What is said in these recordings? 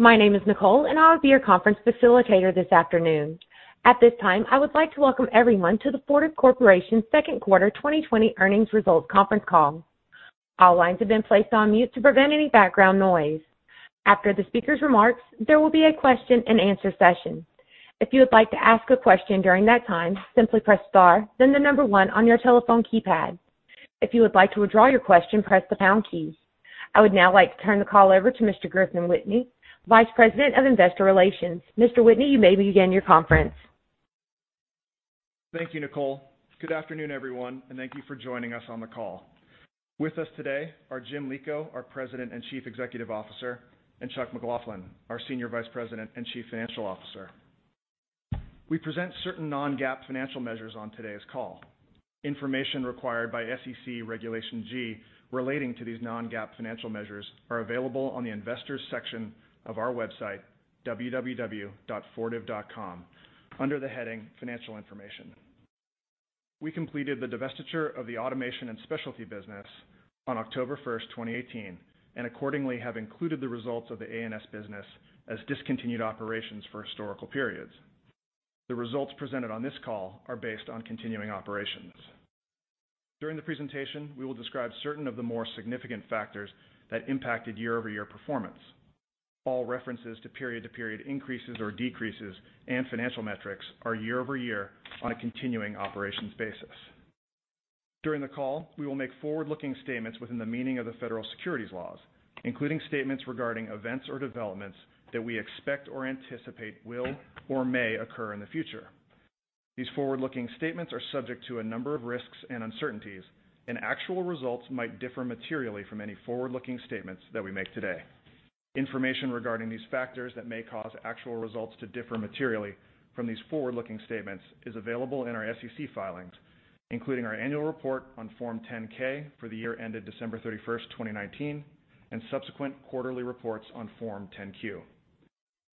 My name is Nicole, and I'll be your conference facilitator this afternoon. At this time, I would like to welcome everyone to the Fortive Corporation Second Quarter 2020 Earnings Results Conference Call. All lines have been placed on mute to prevent any background noise. After the speaker's remarks, there will be a question and answer session. If you would like to ask a question during that time, simply press star, then the number one on your telephone keypad. If you would like to withdraw your question, press the pound key. I would now like to turn the call over to Mr. Griffin Whitney, Vice President of Investor Relations. Mr. Whitney, you may begin your conference. Thank you, Nicole. Good afternoon, everyone, and thank you for joining us on the call. With us today are Jim Lico, our President and Chief Executive Officer, and Chuck McLaughlin, our Senior Vice President and Chief Financial Officer. We present certain non-GAAP financial measures on today's call. Information required by SEC Regulation G relating to these non-GAAP financial measures are available on the investors section of our website, www.fortive.com, under the heading Financial Information. We completed the divestiture of the Automation & Specialty business on October 1st, 2018, and accordingly have included the results of the A&S business as discontinued operations for historical periods. The results presented on this call are based on continuing operations. During the presentation, we will describe certain of the more significant factors that impacted year-over-year performance. All references to period-to-period increases or decreases and financial metrics are year-over-year on a continuing operations basis. During the call, we will make forward-looking statements within the meaning of the Federal Securities laws, including statements regarding events or developments that we expect or anticipate will or may occur in the future. These forward-looking statements are subject to a number of risks and uncertainties, and actual results might differ materially from any forward-looking statements that we make today. Information regarding these factors that may cause actual results to differ materially from these forward-looking statements is available in our SEC filings, including our annual report on Form 10-K for the year ended December 31st, 2019, and subsequent quarterly reports on Form 10-Q.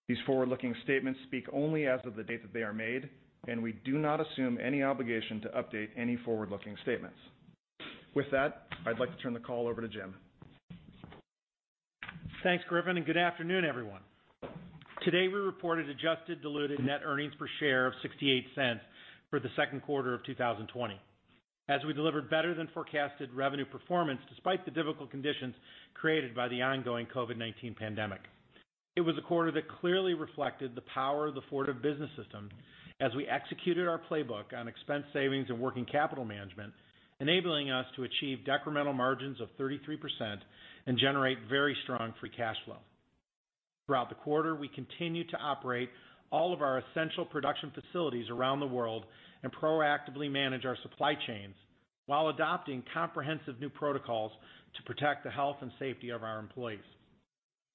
These forward-looking statements speak only as of the date that they are made, and we do not assume any obligation to update any forward-looking statements. With that, I'd like to turn the call over to Jim. Thanks, Griffin. Good afternoon, everyone. Today, we reported adjusted diluted net earnings per share of $0.68 for the second quarter of 2020. We delivered better than forecasted revenue performance despite the difficult conditions created by the ongoing COVID-19 pandemic. It was a quarter that clearly reflected the power of the Fortive Business System as we executed our playbook on expense savings and working capital management, enabling us to achieve decremental margins of 33% and generate very strong free cash flow. Throughout the quarter, we continued to operate all of our essential production facilities around the world and proactively manage our supply chains while adopting comprehensive new protocols to protect the health and safety of our employees.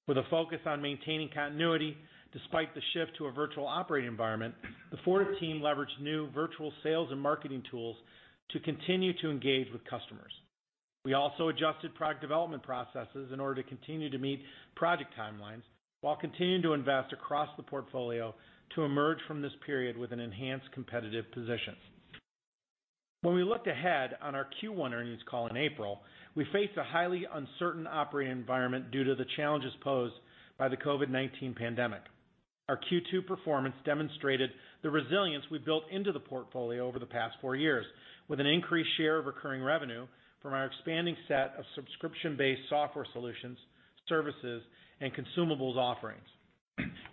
With a focus on maintaining continuity despite the shift to a virtual operating environment, the Fortive team leveraged new virtual sales and marketing tools to continue to engage with customers. We also adjusted product development processes in order to continue to meet project timelines while continuing to invest across the portfolio to emerge from this period with an enhanced competitive position. When we looked ahead on our Q1 earnings call in April, we faced a highly uncertain operating environment due to the challenges posed by the COVID-19 pandemic. Our Q2 performance demonstrated the resilience we've built into the portfolio over the past four years, with an increased share of recurring revenue from our expanding set of subscription-based software solutions, services, and consumables offerings.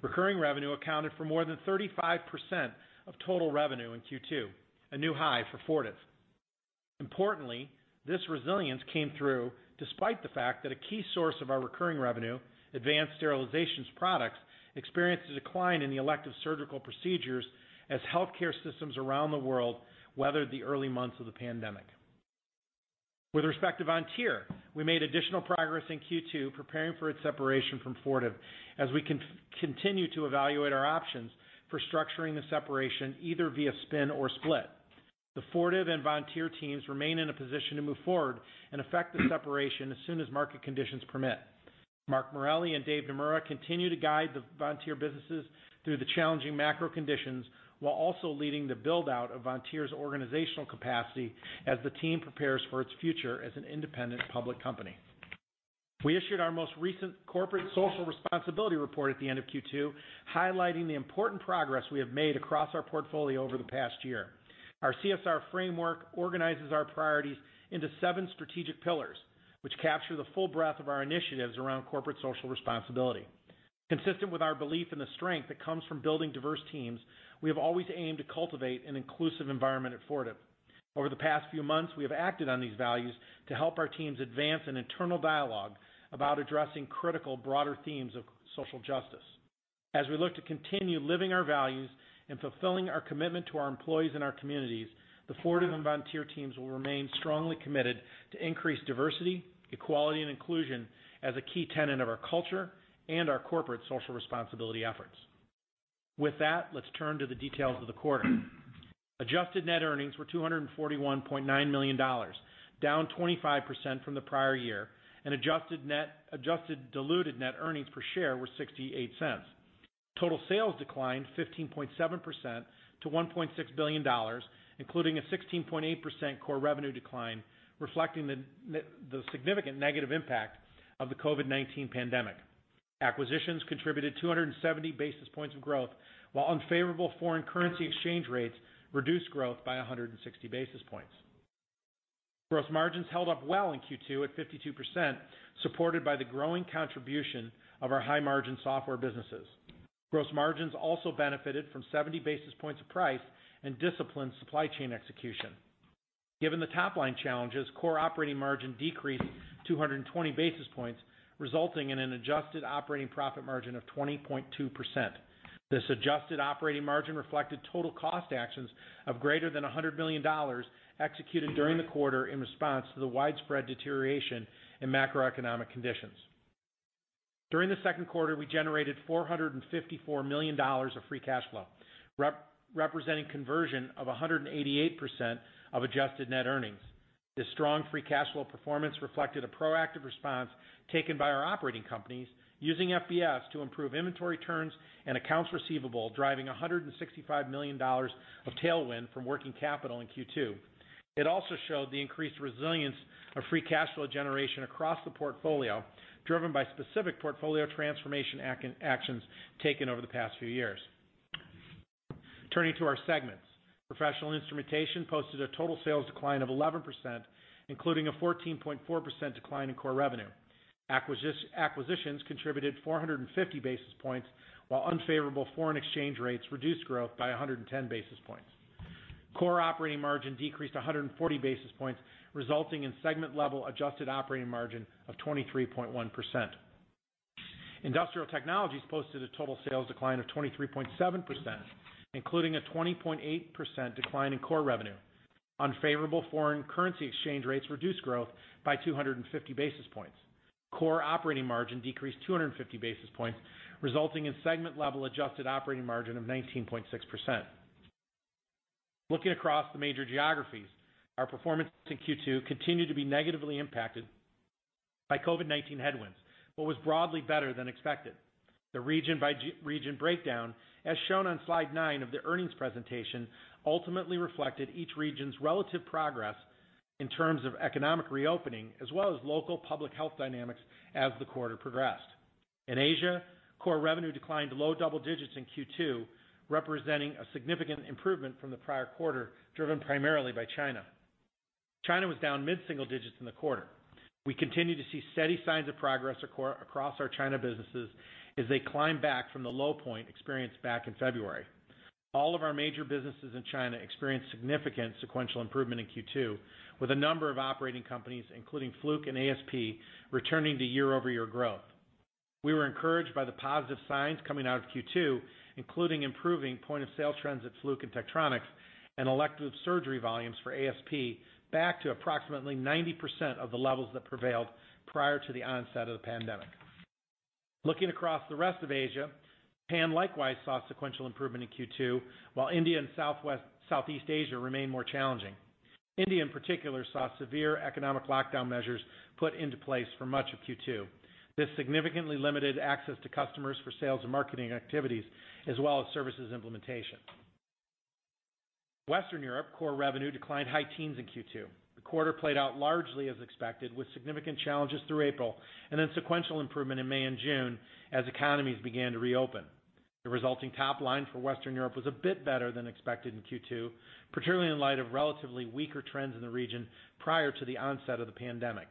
Recurring revenue accounted for more than 35% of total revenue in Q2, a new high for Fortive. Importantly, this resilience came through despite the fact that a key source of our recurring revenue, Advanced Sterilization Products, experienced a decline in the elective surgical procedures as healthcare systems around the world weathered the early months of the pandemic. With respect to Vontier, we made additional progress in Q2 preparing for its separation from Fortive as we continue to evaluate our options for structuring the separation either via spin or split. The Fortive and Vontier teams remain in a position to move forward and effect the separation as soon as market conditions permit. Mark Morelli and David Naemura continue to guide the Vontier businesses through the challenging macro conditions while also leading the build-out of Vontier's organizational capacity as the team prepares for its future as an independent public company. We issued our most recent Corporate Social Responsibility Report at the end of Q2, highlighting the important progress we have made across our portfolio over the past year. Our CSR framework organizes our priorities into seven strategic pillars, which capture the full breadth of our initiatives around corporate social responsibility. Consistent with our belief in the strength that comes from building diverse teams, we have always aimed to cultivate an inclusive environment at Fortive. Over the past few months, we have acted on these values to help our teams advance an internal dialogue about addressing critical, broader themes of social justice. As we look to continue living our values and fulfilling our commitment to our employees and our communities, the Fortive and Vontier teams will remain strongly committed to increase diversity, equality, and inclusion as a key tenet of our culture and our corporate social responsibility efforts. With that, let's turn to the details of the quarter. Adjusted net earnings were $241.9 million, down 25% from the prior year, and adjusted diluted net earnings per share were $0.68. Total sales declined 15.7% to $1.6 billion, including a 16.8% core revenue decline, reflecting the significant negative impact of the COVID-19 pandemic. Acquisitions contributed 270 basis points of growth, while unfavorable foreign currency exchange rates reduced growth by 160 basis points. Gross margins held up well in Q2 at 52%, supported by the growing contribution of our high-margin software businesses. Gross margins also benefited from 70 basis points of price and disciplined supply chain execution. Given the top-line challenges, core operating margin decreased 220 basis points, resulting in an adjusted operating profit margin of 20.2%. This adjusted operating margin reflected total cost actions of greater than $100 million executed during the quarter in response to the widespread deterioration in macroeconomic conditions. During the second quarter, we generated $454 million of free cash flow, representing conversion of 188% of adjusted net earnings. This strong free cash flow performance reflected a proactive response taken by our operating companies using FBS to improve inventory turns and accounts receivable, driving $165 million of tailwind from working capital in Q2. It also showed the increased resilience of free cash flow generation across the portfolio, driven by specific portfolio transformation actions taken over the past few years. Turning to our segments. Professional Instrumentation posted a total sales decline of 11%, including a 14.4% decline in core revenue. Acquisitions contributed 450 basis points, while unfavorable foreign exchange rates reduced growth by 110 basis points. Core operating margin decreased 140 basis points, resulting in segment-level adjusted operating margin of 23.1%. Industrial Technologies posted a total sales decline of 23.7%, including a 20.8% decline in core revenue. Unfavorable foreign currency exchange rates reduced growth by 250 basis points. Core operating margin decreased 250 basis points, resulting in segment-level adjusted operating margin of 19.6%. Looking across the major geographies, our performance in Q2 continued to be negatively impacted by COVID-19 headwinds, but was broadly better than expected. The region by region breakdown, as shown on slide nine of the earnings presentation, ultimately reflected each region's relative progress in terms of economic reopening, as well as local public health dynamics as the quarter progressed. In Asia, core revenue declined low double digits in Q2, representing a significant improvement from the prior quarter, driven primarily by China. China was down mid-single digits in the quarter. We continue to see steady signs of progress across our China businesses as they climb back from the low point experienced back in February. All of our major businesses in China experienced significant sequential improvement in Q2, with a number of operating companies, including Fluke and ASP, returning to year-over-year growth. We were encouraged by the positive signs coming out of Q2, including improving point-of-sale trends at Fluke and Tektronix, and elective surgery volumes for ASP back to approximately 90% of the levels that prevailed prior to the onset of the pandemic. Looking across the rest of Asia, Japan likewise saw sequential improvement in Q2, while India and Southeast Asia remain more challenging. India, in particular, saw severe economic lockdown measures put into place for much of Q2. This significantly limited access to customers for sales and marketing activities, as well as services implementation. Western Europe core revenue declined high teens in Q2. The quarter played out largely as expected, with significant challenges through April and then sequential improvement in May and June as economies began to reopen. The resulting top line for Western Europe was a bit better than expected in Q2, particularly in light of relatively weaker trends in the region prior to the onset of the pandemic.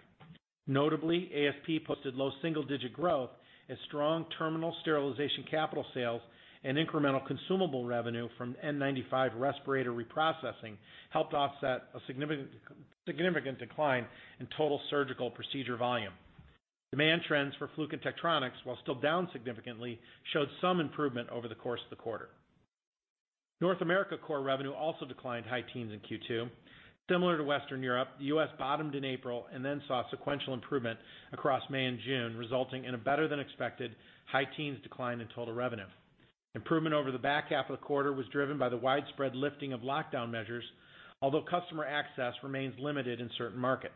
Notably, ASP posted low single-digit growth as strong terminal sterilization capital sales and incremental consumable revenue from N95 respirator reprocessing helped offset a significant decline in total surgical procedure volume. Demand trends for Fluke and Tektronix, while still down significantly, showed some improvement over the course of the quarter. North America core revenue also declined high teens in Q2. Similar to Western Europe, the U.S. bottomed in April and then saw sequential improvement across May and June, resulting in a better-than-expected high teens decline in total revenue. Improvement over the back half of the quarter was driven by the widespread lifting of lockdown measures, although customer access remains limited in certain markets.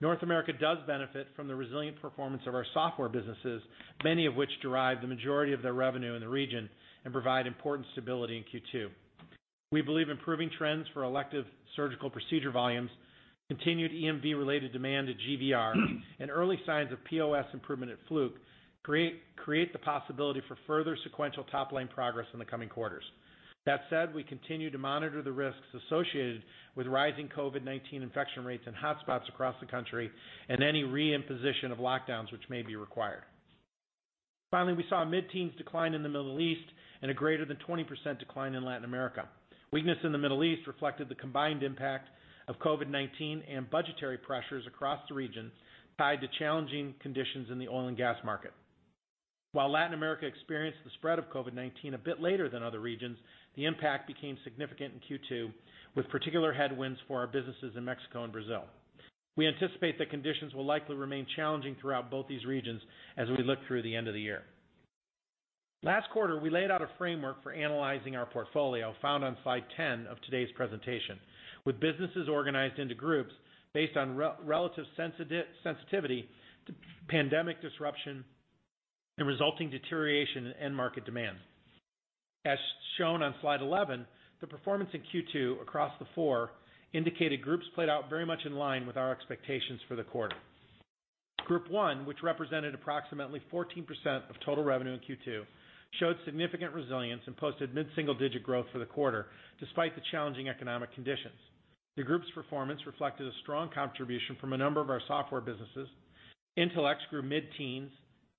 North America does benefit from the resilient performance of our software businesses, many of which derive the majority of their revenue in the region and provide important stability in Q2. We believe improving trends for elective surgical procedure volumes, continued EMV-related demand at GVR, and early signs of POS improvement at Fluke create the possibility for further sequential top-line progress in the coming quarters. That said, we continue to monitor the risks associated with rising COVID-19 infection rates in hotspots across the country and any re-imposition of lockdowns which may be required. Finally, we saw a mid-teens decline in the Middle East and a greater than 20% decline in Latin America. Weakness in the Middle East reflected the combined impact of COVID-19 and budgetary pressures across the region tied to challenging conditions in the oil and gas market. While Latin America experienced the spread of COVID-19 a bit later than other regions, the impact became significant in Q2, with particular headwinds for our businesses in Mexico and Brazil. We anticipate that conditions will likely remain challenging throughout both these regions as we look through the end of the year. Last quarter, we laid out a framework for analyzing our portfolio, found on slide 10 of today's presentation, with businesses organized into groups based on relative sensitivity to pandemic disruption and resulting deterioration in end market demand. As shown on slide 11, the performance in Q2 across the four indicated groups played out very much in line with our expectations for the quarter. Group one, which represented approximately 14% of total revenue in Q2, showed significant resilience and posted mid-single-digit growth for the quarter, despite the challenging economic conditions. The Group's performance reflected a strong contribution from a number of our software businesses. Intelex grew mid-teens,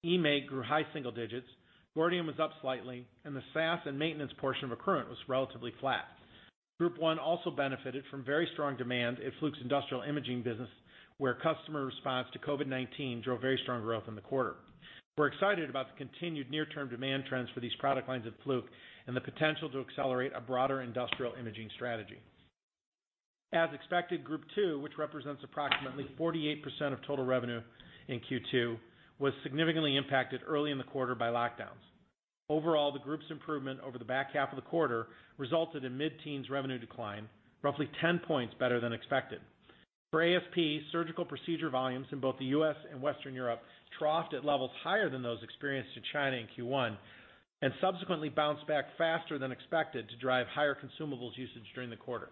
eMaint grew high single digits, Gordian was up slightly, and the SaaS and maintenance portion of Accruent was relatively flat. Group one also benefited from very strong demand at Fluke's industrial imaging business, where customer response to COVID-19 drove very strong growth in the quarter. We're excited about the continued near-term demand trends for these product lines at Fluke and the potential to accelerate a broader industrial imaging strategy. As expected, Group two, which represents approximately 48% of total revenue in Q2, was significantly impacted early in the quarter by lockdowns. Overall, the group's improvement over the back half of the quarter resulted in mid-teens revenue decline, roughly 10 points better than expected. For ASP, surgical procedure volumes in both the U.S. and Western Europe troughed at levels higher than those experienced in China in Q1, and subsequently bounced back faster than expected to drive higher consumables usage during the quarter.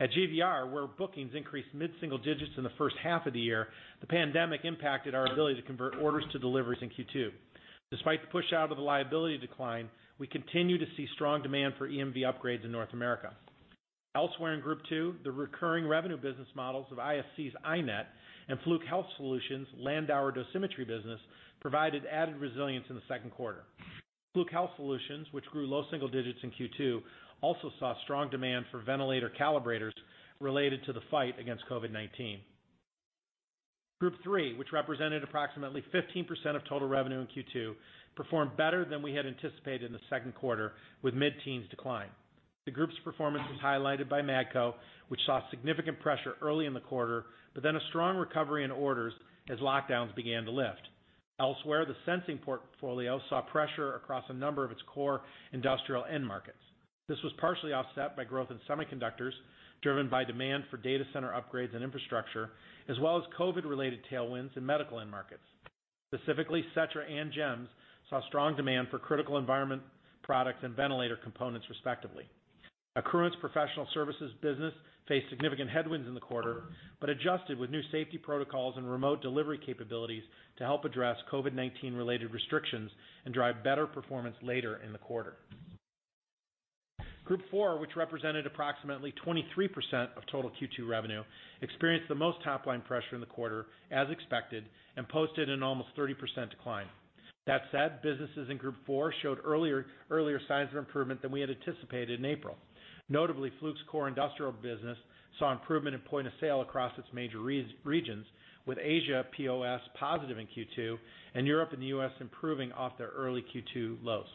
At GVR, where bookings increased mid-single digits in the first half of the year, the pandemic impacted our ability to convert orders to deliveries in Q2. Despite the push out of the liability shift deadline, we continue to see strong demand for EMV upgrades in North America. Elsewhere in group two, the recurring revenue business models of ISC's iNet and Fluke Health Solutions' LANDAUER Dosimetry business provided added resilience in the second quarter. Fluke Health Solutions, which grew low single digits in Q2, also saw strong demand for ventilator calibrators related to the fight against COVID-19. Group three, which represented approximately 15% of total revenue in Q2, performed better than we had anticipated in the second quarter, with mid-teens decline. The group's performance was highlighted by Matco, which saw significant pressure early in the quarter, but then a strong recovery in orders as lockdowns began to lift. Elsewhere, the sensing portfolio saw pressure across a number of its core industrial end markets. This was partially offset by growth in semiconductors, driven by demand for data center upgrades and infrastructure, as well as COVID-related tailwinds in medical end markets. Specifically, Setra and Gems saw strong demand for critical environment products and ventilator components, respectively. Accruent's professional services business faced significant headwinds in the quarter, but adjusted with new safety protocols and remote delivery capabilities to help address COVID-19-related restrictions and drive better performance later in the quarter. Group four, which represented approximately 23% of total Q2 revenue, experienced the most top-line pressure in the quarter, as expected, and posted an almost 30% decline. That said, businesses in Group four showed earlier signs of improvement than we had anticipated in April. Notably, Fluke's core industrial business saw improvement in point of sale across its major regions, with Asia POS positive in Q2 and Europe and the U.S. improving off their early Q2 lows.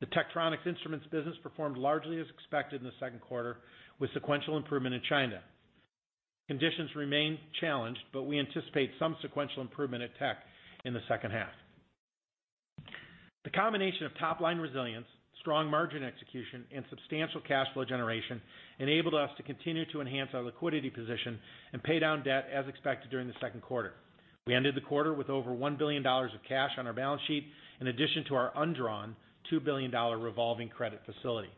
The Tektronix Instruments business performed largely as expected in the second quarter, with sequential improvement in China. Conditions remain challenged, but we anticipate some sequential improvement at Tek in the second half. The combination of top-line resilience, strong margin execution, and substantial cash flow generation enabled us to continue to enhance our liquidity position and pay down debt as expected during the second quarter. We ended the quarter with over $1 billion of cash on our balance sheet, in addition to our undrawn $2 billion revolving credit facility.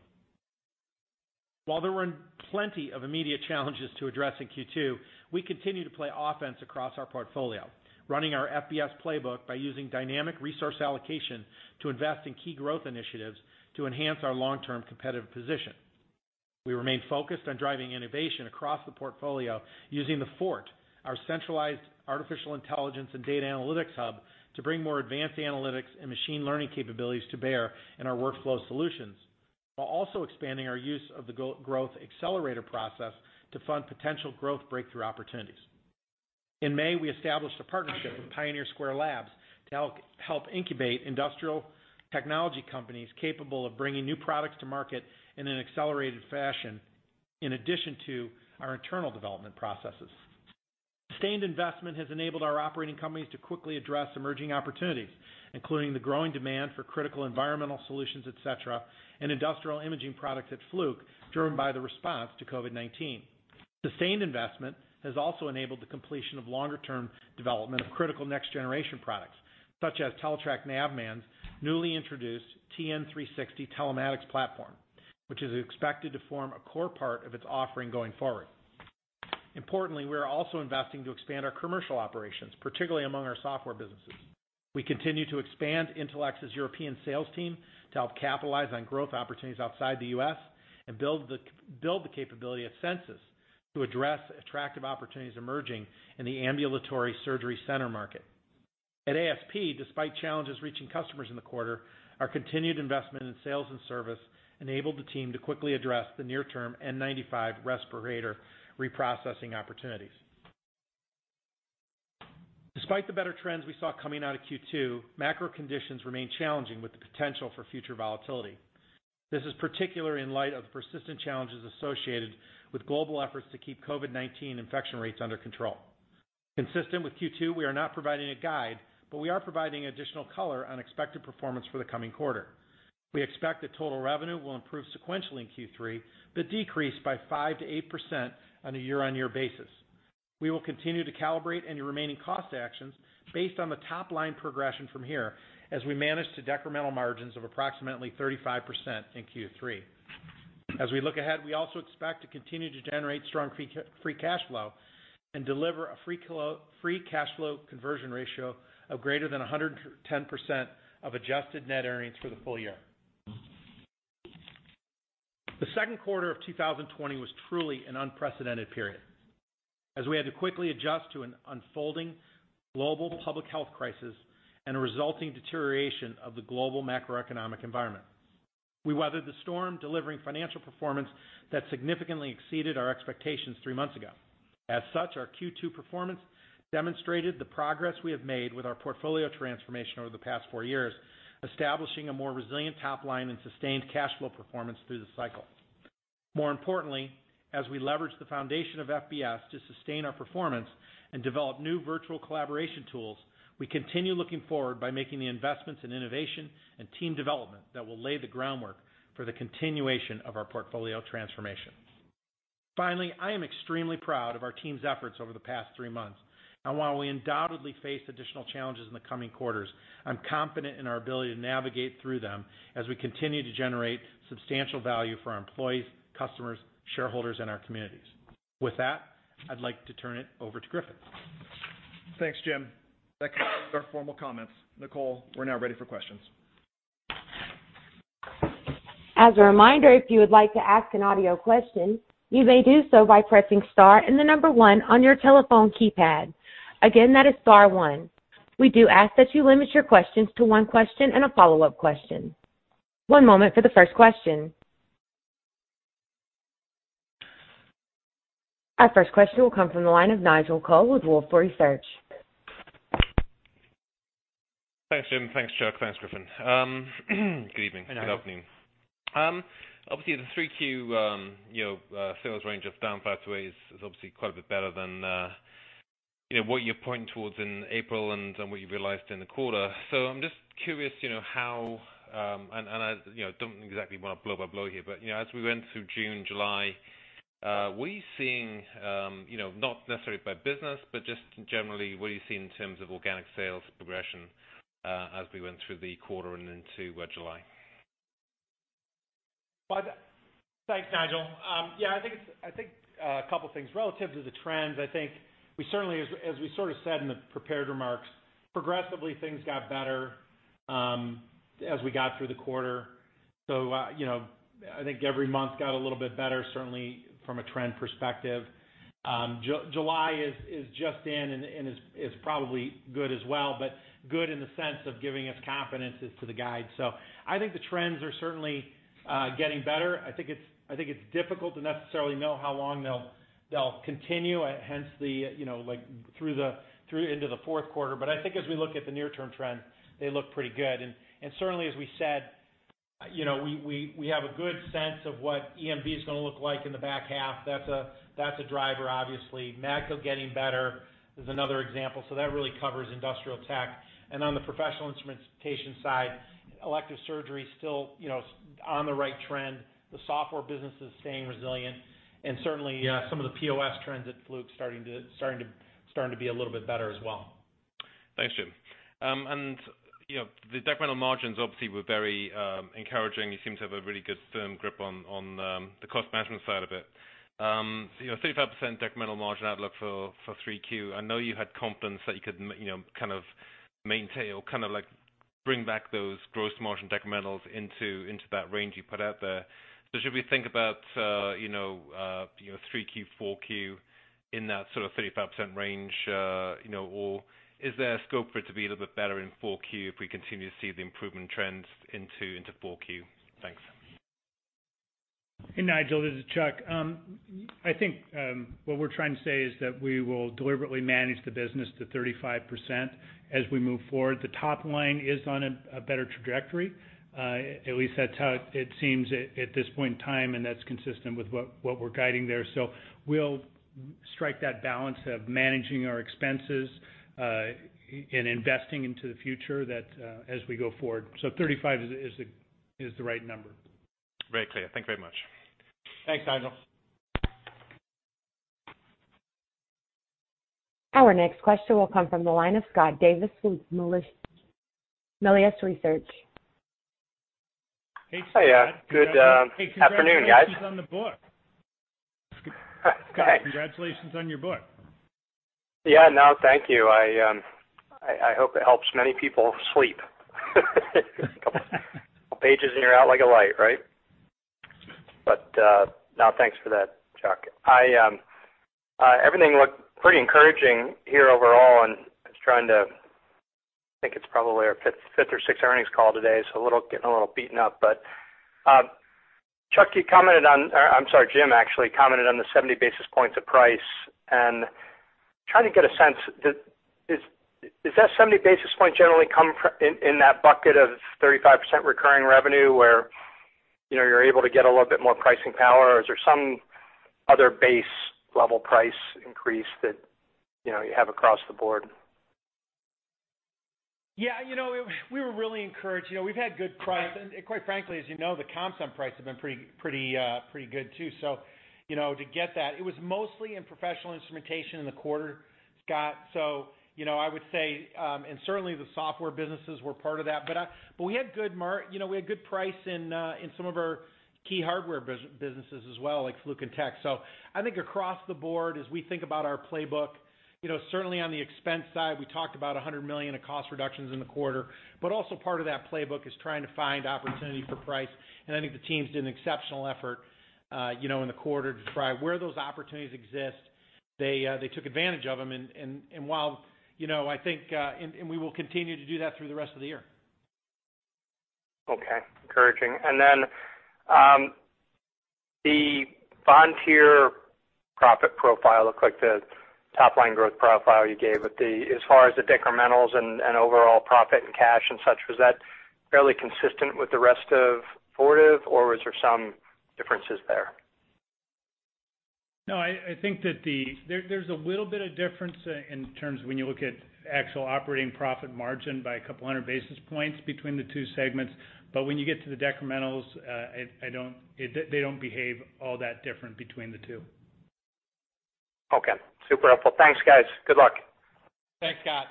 While there were plenty of immediate challenges to address in Q2, we continue to play offense across our portfolio, running our FBS playbook by using dynamic resource allocation to invest in key Growth Accelerator initiatives to enhance our long-term competitive position. We remain focused on driving innovation across the portfolio using The Fort, our centralized artificial intelligence and data analytics hub, to bring more advanced analytics and machine learning capabilities to bear in our workflow solutions, while also expanding our use of the Growth Accelerator process to fund potential growth breakthrough opportunities. In May, we established a partnership with Pioneer Square Labs to help incubate industrial technology companies capable of bringing new products to market in an accelerated fashion, in addition to our internal development processes. Sustained investment has enabled our operating companies to quickly address emerging opportunities, including the growing demand for critical environmental solutions at Setra and industrial imaging products at Fluke, driven by the response to COVID-19. Sustained investment has also enabled the completion of longer-term development of critical next-generation products, such as Teletrac Navman's newly introduced TN360 telematics platform, which is expected to form a core part of its offering going forward. Importantly, we are also investing to expand our commercial operations, particularly among our software businesses. We continue to expand Intelex's European sales team to help capitalize on growth opportunities outside the U.S. and build the capability of Censis to address attractive opportunities emerging in the ambulatory surgery center market. At ASP, despite challenges reaching customers in the quarter, our continued investment in sales and service enabled the team to quickly address the near-term N95 respirator reprocessing opportunities. Despite the better trends we saw coming out of Q2, macro conditions remain challenging with the potential for future volatility. This is particularly in light of the persistent challenges associated with global efforts to keep COVID-19 infection rates under control. Consistent with Q2, we are not providing a guide, but we are providing additional color on expected performance for the coming quarter. We expect that total revenue will improve sequentially in Q3, decrease by 5%-8% on a year-over-year basis. We will continue to calibrate any remaining cost actions based on the top-line progression from here as we manage to decremental margins of approximately 35% in Q3. As we look ahead, we also expect to continue to generate strong free cash flow and deliver a free cash flow conversion ratio of greater than 110% of adjusted net earnings for the full year. The second quarter of 2020 was truly an unprecedented period, as we had to quickly adjust to an unfolding global public health crisis and a resulting deterioration of the global macroeconomic environment. We weathered the storm, delivering financial performance that significantly exceeded our expectations three months ago. Our Q2 performance demonstrated the progress we have made with our portfolio transformation over the past four years, establishing a more resilient top line and sustained cash flow performance through the cycle. More importantly, as we leverage the foundation of FBS to sustain our performance and develop new virtual collaboration tools, we continue looking forward by making the investments in innovation and team development that will lay the groundwork for the continuation of our portfolio transformation. Finally, I am extremely proud of our team's efforts over the past three months, and while we undoubtedly face additional challenges in the coming quarters, I am confident in our ability to navigate through them as we continue to generate substantial value for our employees, customers, shareholders, and our communities. With that, I'd like to turn it over to Griffin. Thanks, Jim. That concludes our formal comments. Nicole, we're now ready for questions. As a reminder, if you would like to ask an audio question, you may do so by pressing star and the number one on your telephone keypad. Again, that is star one. We do ask that you limit your questions to one question and a follow-up question. One moment for the first question. Our first question will come from the line of Nigel Coe with Wolfe Research. Thanks, Jim. Thanks, Chuck. Thanks, Griffin. Good evening. Obviously, the 3Q sales range of down 5%-8% is obviously quite a bit better than what you're pointing towards in April and what you realized in the quarter. I'm just curious, and I don't exactly want to blow by blow here, but as we went through June, July, were you seeing, not necessarily by business, but just generally, what are you seeing in terms of organic sales progression as we went through the quarter and then to July? Thanks, Nigel. I think a couple of things. Relative to the trends, I think we certainly, as we sort of said in the prepared remarks, progressively things got better as we got through the quarter. I think every month got a little bit better, certainly from a trend perspective. July is just in and is probably good as well, but good in the sense of giving us confidence as to the guide. I think the trends are certainly getting better. I think it's difficult to necessarily know how long they'll continue, hence through into the fourth quarter. I think as we look at the near-term trends, they look pretty good. Certainly, as we said, we have a good sense of what EMV is going to look like in the back half. That's a driver, obviously. Matco is getting better is another example. That really covers industrial tech. On the Professional Instrumentation side, elective surgery is still on the right trend. The software business is staying resilient. Certainly, some of the POS trends at Fluke starting to be a little bit better as well. Thanks, Jim. The decremental margins obviously were very encouraging. You seem to have a really good firm grip on the cost management side of it. 35% decremental margin outlook for 3Q, I know you had confidence that you could kind of maintain or kind of bring back those gross margin decrementals into that range you put out there. Should we think about 3Q, 4Q in that sort of 35% range? Is there scope for it to be a little bit better in 4Q if we continue to see the improvement trends into 4Q? Thanks. Hey, Nigel, this is Chuck. I think what we're trying to say is that we will deliberately manage the business to 35% as we move forward. The top line is on a better trajectory, at least that's how it seems at this point in time, and that's consistent with what we're guiding there. We'll strike that balance of managing our expenses and investing into the future as we go forward. 35 is the right number. Very clear. Thank you very much. Thanks, Nigel. Our next question will come from the line of Scott Davis with Melius Research. Hey, Scott. Good afternoon, guys. Hey, congratulations on the book. Thanks. Scott, congratulations on your book. Yeah. No, thank you. I hope it helps many people sleep. A couple pages and you're out like a light, right? No, thanks for that, Chuck McLaughlin. Everything looked pretty encouraging here overall. I think it's probably our fifth or sixth earnings call today, so getting a little beaten up. Chuck McLaughlin, you commented on, or I'm sorry, Jim Lico actually commented on the 70 basis points of price, and trying to get a sense, does that 70 basis point generally come in that bucket of 35% recurring revenue where you're able to get a little bit more pricing power? Is there some other base-level price increase that you have across the board? Yeah, we were really encouraged. We've had good price, and quite frankly, as you know, the comps on price have been pretty good too. To get that, it was mostly in Professional Instrumentation in the quarter, Scott. I would say, and certainly the software businesses were part of that. We had good price in some of our key hardware businesses as well, like Fluke and Tek. I think across the board, as we think about our playbook, certainly on the expense side, we talked about 100 million of cost reductions in the quarter. Also part of that playbook is trying to find opportunity for price. I think the teams did an exceptional effort in the quarter to drive where those opportunities exist. They took advantage of them, and we will continue to do that through the rest of the year. Okay. Encouraging. The Vontier profit profile looked like the top line growth profile you gave. As far as the decrementals and overall profit and cash and such, was that fairly consistent with the rest of Fortive, or was there some differences there? No, I think that there's a little bit of difference in terms of when you look at actual operating profit margin by 200 basis points between the two segments. When you get to the decrementals, they don't behave all that different between the two. Okay. Super helpful. Thanks, guys. Good luck. Thanks, Scott.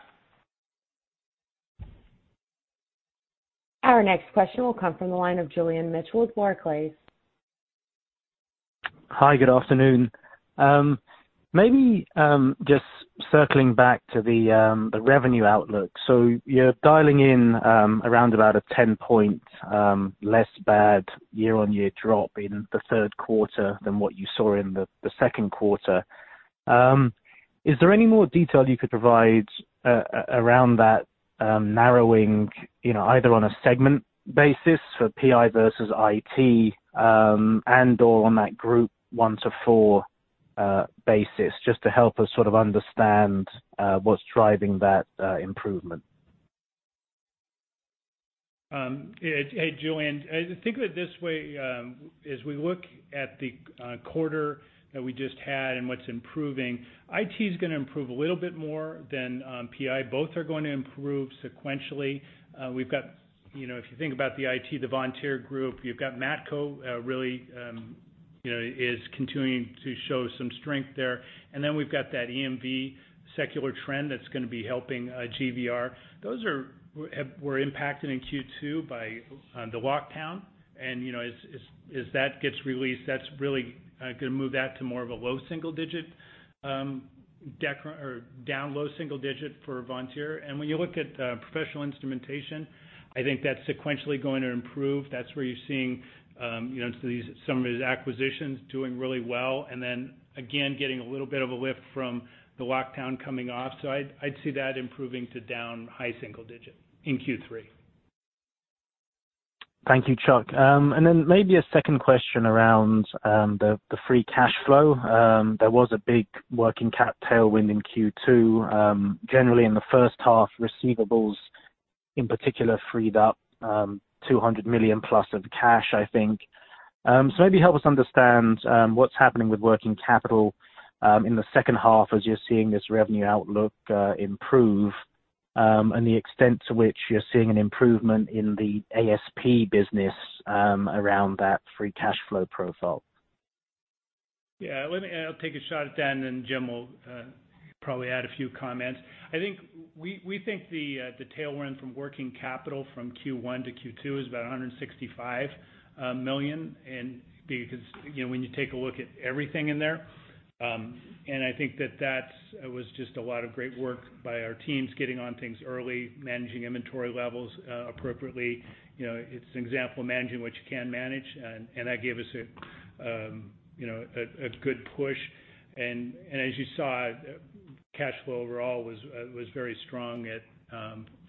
Our next question will come from the line of Julian Mitchell with Barclays. Hi, good afternoon. Maybe just circling back to the revenue outlook. You're dialing in around about a 10-point less bad year-on-year drop in the third quarter than what you saw in the second quarter. Is there any more detail you could provide around that narrowing, either on a segment basis for PI versus IT, and/or on that Group one to four basis, just to help us sort of understand what's driving that improvement? Hey, Julian. Think of it this way. As we look at the quarter that we just had and what's improving, IT is going to improve a little bit more than PI. Both are going to improve sequentially. If you think about the IT, the Vontier group, you've got Matco really is continuing to show some strength there. We've got that EMV secular trend that's going to be helping GVR. Those were impacted in Q2 by the lockdown. As that gets released, that's really going to move that to more of a low single digit, or down low single digit for Vontier. When you look at professional instrumentation, I think that's sequentially going to improve. That's where you're seeing some of these acquisitions doing really well. Again, getting a little bit of a lift from the lockdown coming off. I'd see that improving to down high single digit in Q3. Thank you, Chuck. Maybe a second question around the free cash flow. There was a big working cap tailwind in Q2. Generally in the first half, receivables in particular freed up $200 million+ of cash, I think. Maybe help us understand what's happening with working capital in the second half as you're seeing this revenue outlook improve, and the extent to which you're seeing an improvement in the ASP business around that free cash flow profile. Yeah. I'll take a shot at that, and then Jim will probably add a few comments. We think the tailwind from working capital from Q1 to Q2 is about $165 million, because when you take a look at everything in there, and I think that that was just a lot of great work by our teams getting on things early, managing inventory levels appropriately. It's an example of managing what you can manage, and that gave us a good push. As you saw, cash flow overall was very strong at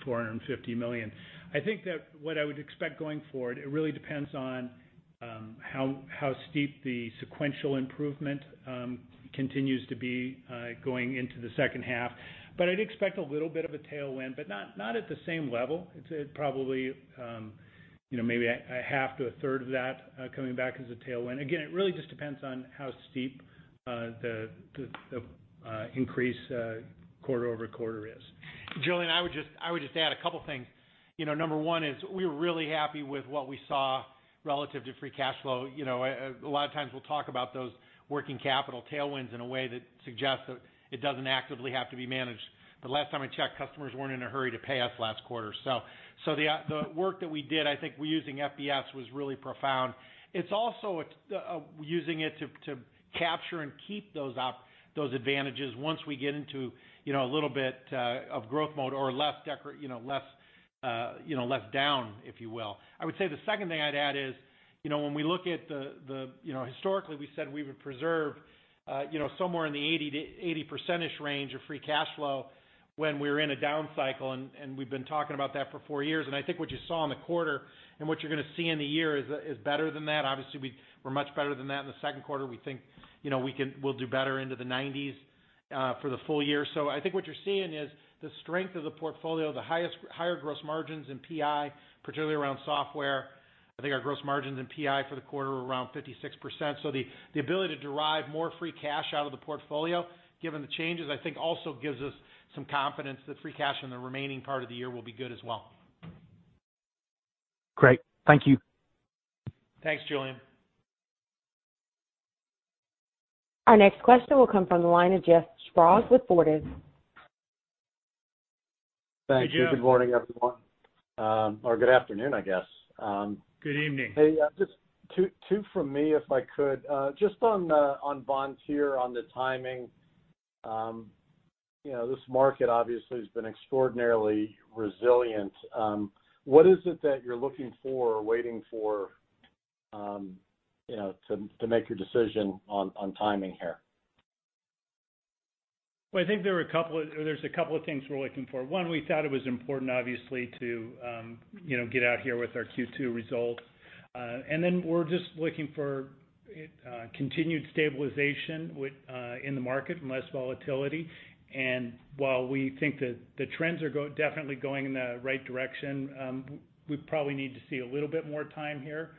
$450 million. I think that what I would expect going forward, it really depends on how steep the sequential improvement continues to be going into the second half. I'd expect a little bit of a tailwind, but not at the same level. It's probably maybe a half to a third of that coming back as a tailwind. Again, it really just depends on how steep the increase quarter-over-quarter is. Julian, I would just add a couple of things. Number one is we were really happy with what we saw relative to free cash flow. A lot of times we'll talk about those working capital tailwinds in a way that suggests that it doesn't actively have to be managed. Last time I checked, customers weren't in a hurry to pay us last quarter. The work that we did, I think using FBS was really profound. It's also using it to capture and keep those advantages once we get into a little bit of growth mode or less down, if you will. I would say the second thing I'd add is historically we said we would preserve somewhere in the 80% range of free cash flow when we were in a down cycle, and we've been talking about that for four years. I think what you saw in the quarter, and what you're going to see in the year is better than that. Obviously, we were much better than that in the second quarter. We think we'll do better into the 90s for the full year. I think what you're seeing is the strength of the portfolio, the higher gross margins in PI, particularly around software. I think our gross margins in PI for the quarter were around 56%. The ability to derive more free cash out of the portfolio given the changes, I think also gives us some confidence that free cash in the remaining part of the year will be good as well. Great. Thank you. Thanks, Julian. Our next question will come from the line of Jeff Sprague with Fortive. Thank you. Hey, Jeff. Good morning, everyone. Good afternoon, I guess. Good evening. Hey, just two from me, if I could. Just on Vontier on the timing. This market obviously has been extraordinarily resilient. What is it that you're looking for or waiting for, to make your decision on timing here? I think there's a couple of things we're looking for. One, we thought it was important obviously to get out here with our Q2 result. We're just looking for continued stabilization in the market and less volatility. While we think that the trends are definitely going in the right direction, we probably need to see a little bit more time here,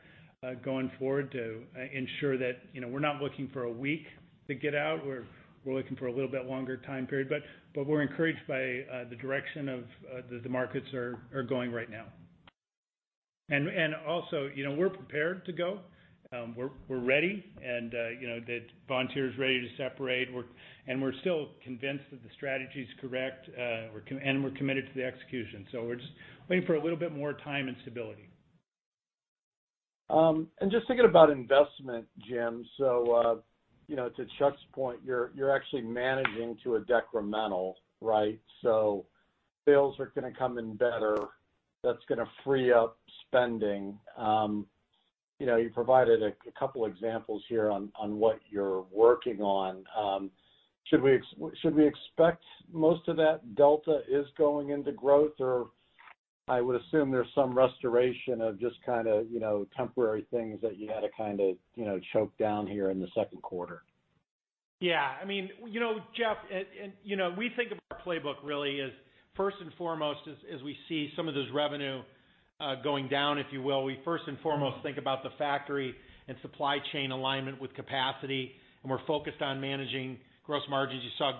going forward to ensure that we're not looking for a week to get out. We're looking for a little bit longer time period. We're encouraged by the direction the markets are going right now. Also, we're prepared to go. We're ready and that Vontier's ready to separate. We're still convinced that the strategy's correct, and we're committed to the execution. We're just waiting for a little bit more time and stability. Just thinking about investment, Jim. To Chuck's point, you're actually managing to a decremental, right? Bills are going to come in better, that's going to free up spending. You provided a couple examples here on what you're working on. Should we expect most of that delta is going into growth? I would assume there's some restoration of just kind of temporary things that you had to choke down here in the second quarter. Jeff, we think of our playbook really as first and foremost, as we see some of this revenue going down, if you will. We first and foremost think about the factory and supply chain alignment with capacity, and we're focused on managing gross margins. You saw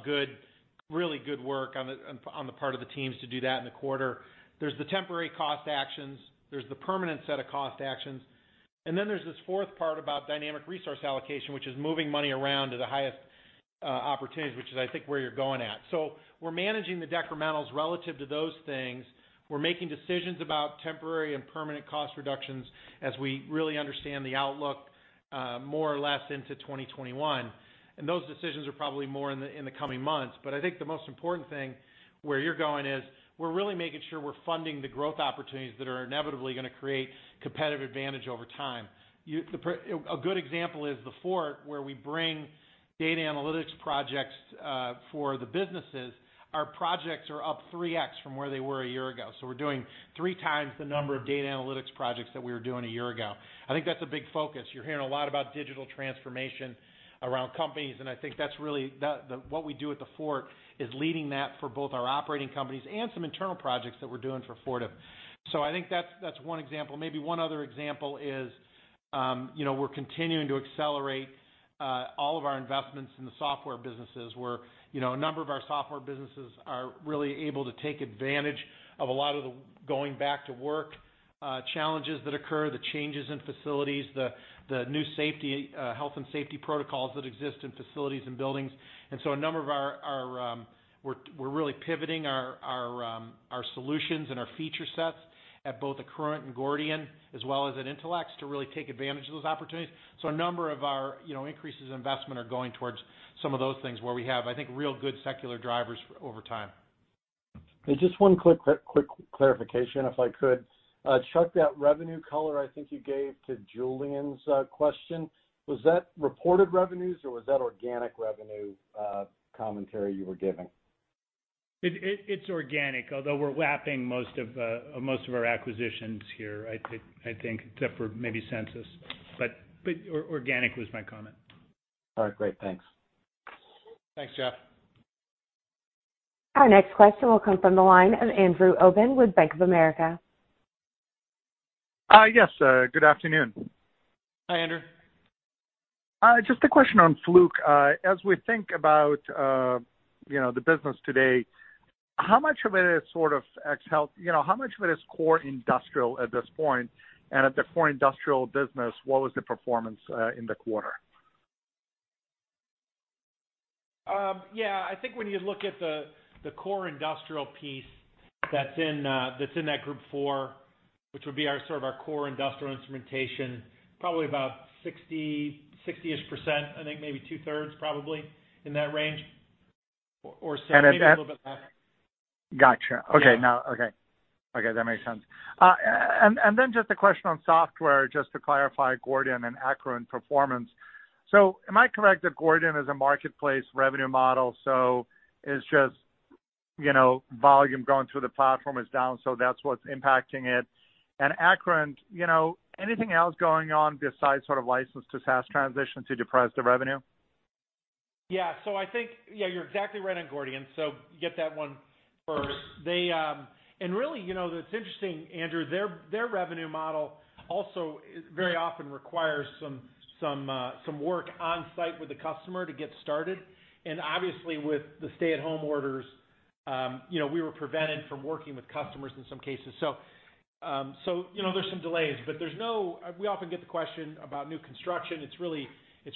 really good work on the part of the teams to do that in the quarter. There's the temporary cost actions. There's the permanent set of cost actions. Then there's this fourth part about dynamic resource allocation, which is moving money around to the highest opportunities, which is, I think, where you're going at. We're managing the decrementals relative to those things. We're making decisions about temporary and permanent cost reductions as we really understand the outlook, more or less into 2021. Those decisions are probably more in the coming months. I think the most important thing, where you're going is, we're really making sure we're funding the growth opportunities that are inevitably going to create competitive advantage over time. A good example is The Fort, where we bring data analytics projects for the businesses. Our projects are up 3X from where they were a year ago. We're doing 3x the number of data analytics projects that we were doing a year ago. I think that's a big focus. You're hearing a lot about digital transformation around companies, and I think that's really what we do at The Fort, is leading that for both our operating companies and some internal projects that we're doing for Fortive. I think that's one example. Maybe one other example is we're continuing to accelerate all of our investments in the software businesses, where a number of our software businesses are really able to take advantage of a lot of the going back to work challenges that occur, the changes in facilities, the new health and safety protocols that exist in facilities and buildings. So we're really pivoting our solutions and our feature sets at both Accruent and Gordian, as well as at Intelex, to really take advantage of those opportunities. A number of our increases in investment are going towards some of those things, where we have, I think, real good secular drivers over time. Just one quick clarification, if I could. Chuck, that revenue color I think you gave to Julian's question, was that reported revenues or was that organic revenue commentary you were giving? It's organic, although we're lapping most of our acquisitions here. I think except for maybe CensiTrac, but organic was my comment. All right, great. Thanks. Thanks, Jeff. Our next question will come from the line of Andrew Obin with Bank of America. Yes, good afternoon. Hi, Andrew. Just a question on Fluke. As we think about the business today, how much of it is core industrial at this point? At the core industrial business, what was the performance in the quarter? Yeah, I think when you look at the core industrial piece that's in that Group four, which would be sort of our core industrial instrumentation, probably about 60-ish%, I think maybe two-thirds probably in that range, or maybe a little bit less. Got you. Yeah. Okay. That makes sense. Just a question on software, just to clarify Gordian and Accruent performance. Am I correct that Gordian is a marketplace revenue model? It's just volume going through the platform is down, so that's what's impacting it. Accruent, anything else going on besides sort of license to SaaS transition to depress the revenue? Yeah. You're exactly right on Gordian. Get that one first. Really, it's interesting, Andrew, their revenue model Also, it very often requires some work on-site with the customer to get started. Obviously, with the stay-at-home orders, we were prevented from working with customers in some cases. There's some delays, but we often get the question about new construction. It's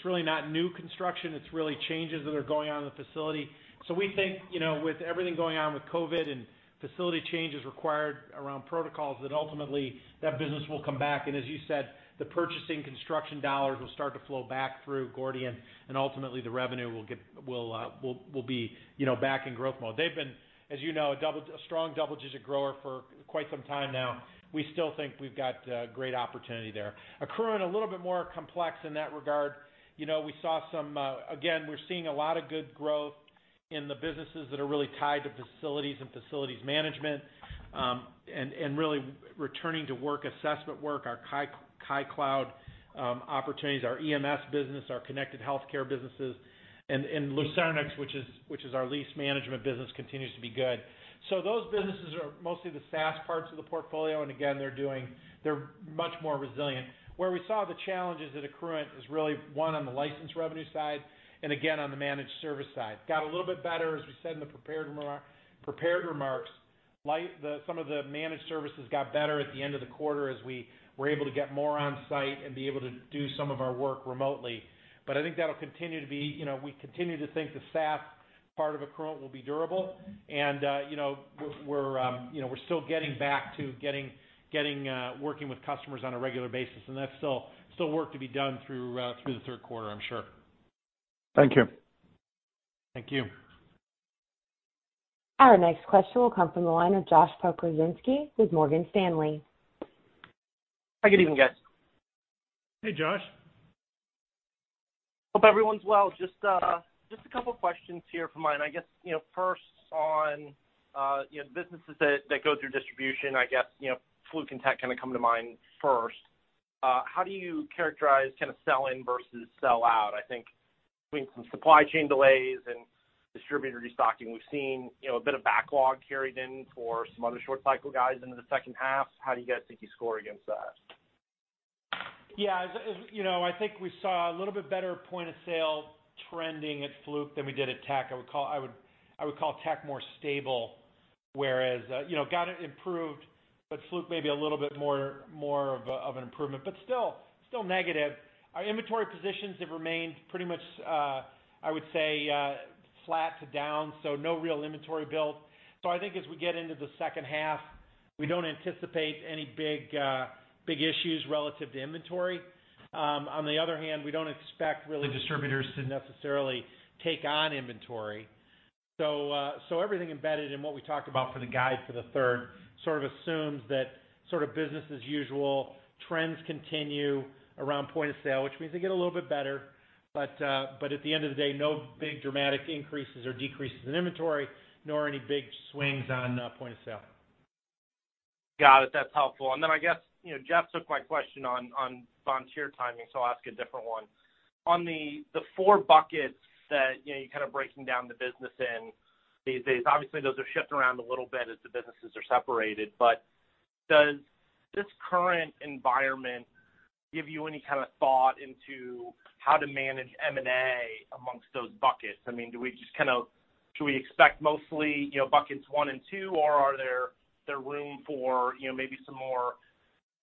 really not new construction, it's really changes that are going on in the facility. We think, with everything going on with COVID and facility changes required around protocols, that ultimately that business will come back. As you said, the purchasing construction dollars will start to flow back through Gordian, and ultimately the revenue will be back in growth mode. They've been, as you know, a strong double-digit grower for quite some time now. We still think we've got great opportunity there. Accruent, a little bit more complex in that regard. We're seeing a lot of good growth in the businesses that are really tied to facilities and facilities management, and really returning to work assessment work, our Kai cloud opportunities, our EMS business, our connected healthcare businesses, and Lucernex, which is our lease management business, continues to be good. Those businesses are mostly the SaaS parts of the portfolio, and again, they're much more resilient. Where we saw the challenges at Accruent is really, one, on the license revenue side, and again, on the managed service side. Got a little bit better, as we said in the prepared remarks. Some of the managed services got better at the end of the quarter as we were able to get more on-site and be able to do some of our work remotely. I think we continue to think the SaaS part of Accruent will be durable, and we're still getting back to working with customers on a regular basis. That's still work to be done through the third quarter, I'm sure. Thank you. Thank you. Our next question will come from the line of Josh Pokrzywinski with Morgan Stanley. Good evening, guys. Hey, Josh. Hope everyone's well. Just a couple questions here from my end. I guess, first on businesses that go through distribution, I guess, Fluke and Tek kind of come to mind first. How do you characterize kind of sell in versus sell out? I think between some supply chain delays and distributor restocking, we've seen a bit of backlog carried in for some other short cycle guys into the second half. How do you guys think you score against that? I think we saw a little bit better point-of-sale trending at Fluke than we did at Tek. I would call Tek more stable, whereas, got improved, but Fluke may be a little bit more of an improvement, but still negative. Our inventory positions have remained pretty much, I would say, flat to down, so no real inventory build. I think as we get into the second half, we don't anticipate any big issues relative to inventory. On the other hand, we don't expect really distributors to necessarily take on inventory. Everything embedded in what we talked about for the guide for the third sort of assumes that sort of business as usual trends continue around point-of-sale, which means they get a little bit better. At the end of the day, no big dramatic increases or decreases in inventory, nor any big swings on point of sale. Got it. That's helpful. I guess, Jeff took my question on Vontier timing, so I'll ask a different one. On the 4 Buckets that you're kind of breaking down the business in these days, obviously those are shifting around a little bit as the businesses are separated. Does this current environment give you any kind of thought into how to manage M&A amongst those buckets? Should we expect mostly Buckets 1 and 2, or are there room for maybe some more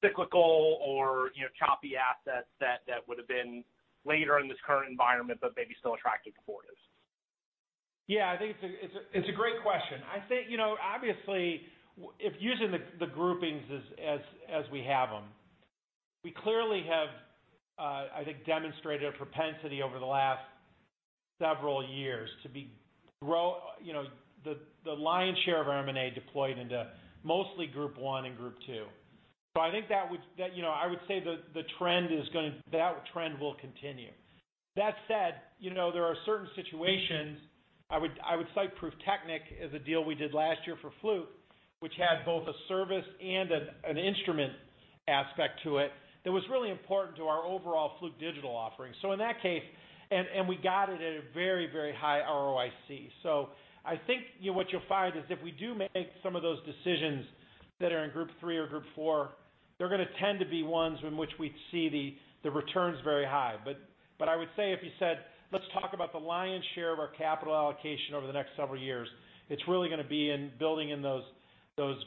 cyclical or choppy assets that would've been later in this current environment but maybe still attractive to Fortive? Yeah, I think it's a great question. Obviously, if using the groupings as we have them, we clearly have, I think, demonstrated a propensity over the last several years to be The lion's share of our M&A deployed into mostly Group one and Group two. I would say that trend will continue. That said, there are certain situations, I would cite PRÜFTECHNIK as a deal we did last year for Fluke, which had both a service and an instrument aspect to it that was really important to our overall Fluke digital offering. We got it at a very, very high ROIC. I think what you'll find is if we do make some of those decisions that are in Group three or Group four, they're going to tend to be ones in which we see the returns very high. I would say if you said, "Let's talk about the lion's share of our capital allocation over the next several years," it's really going to be in building in those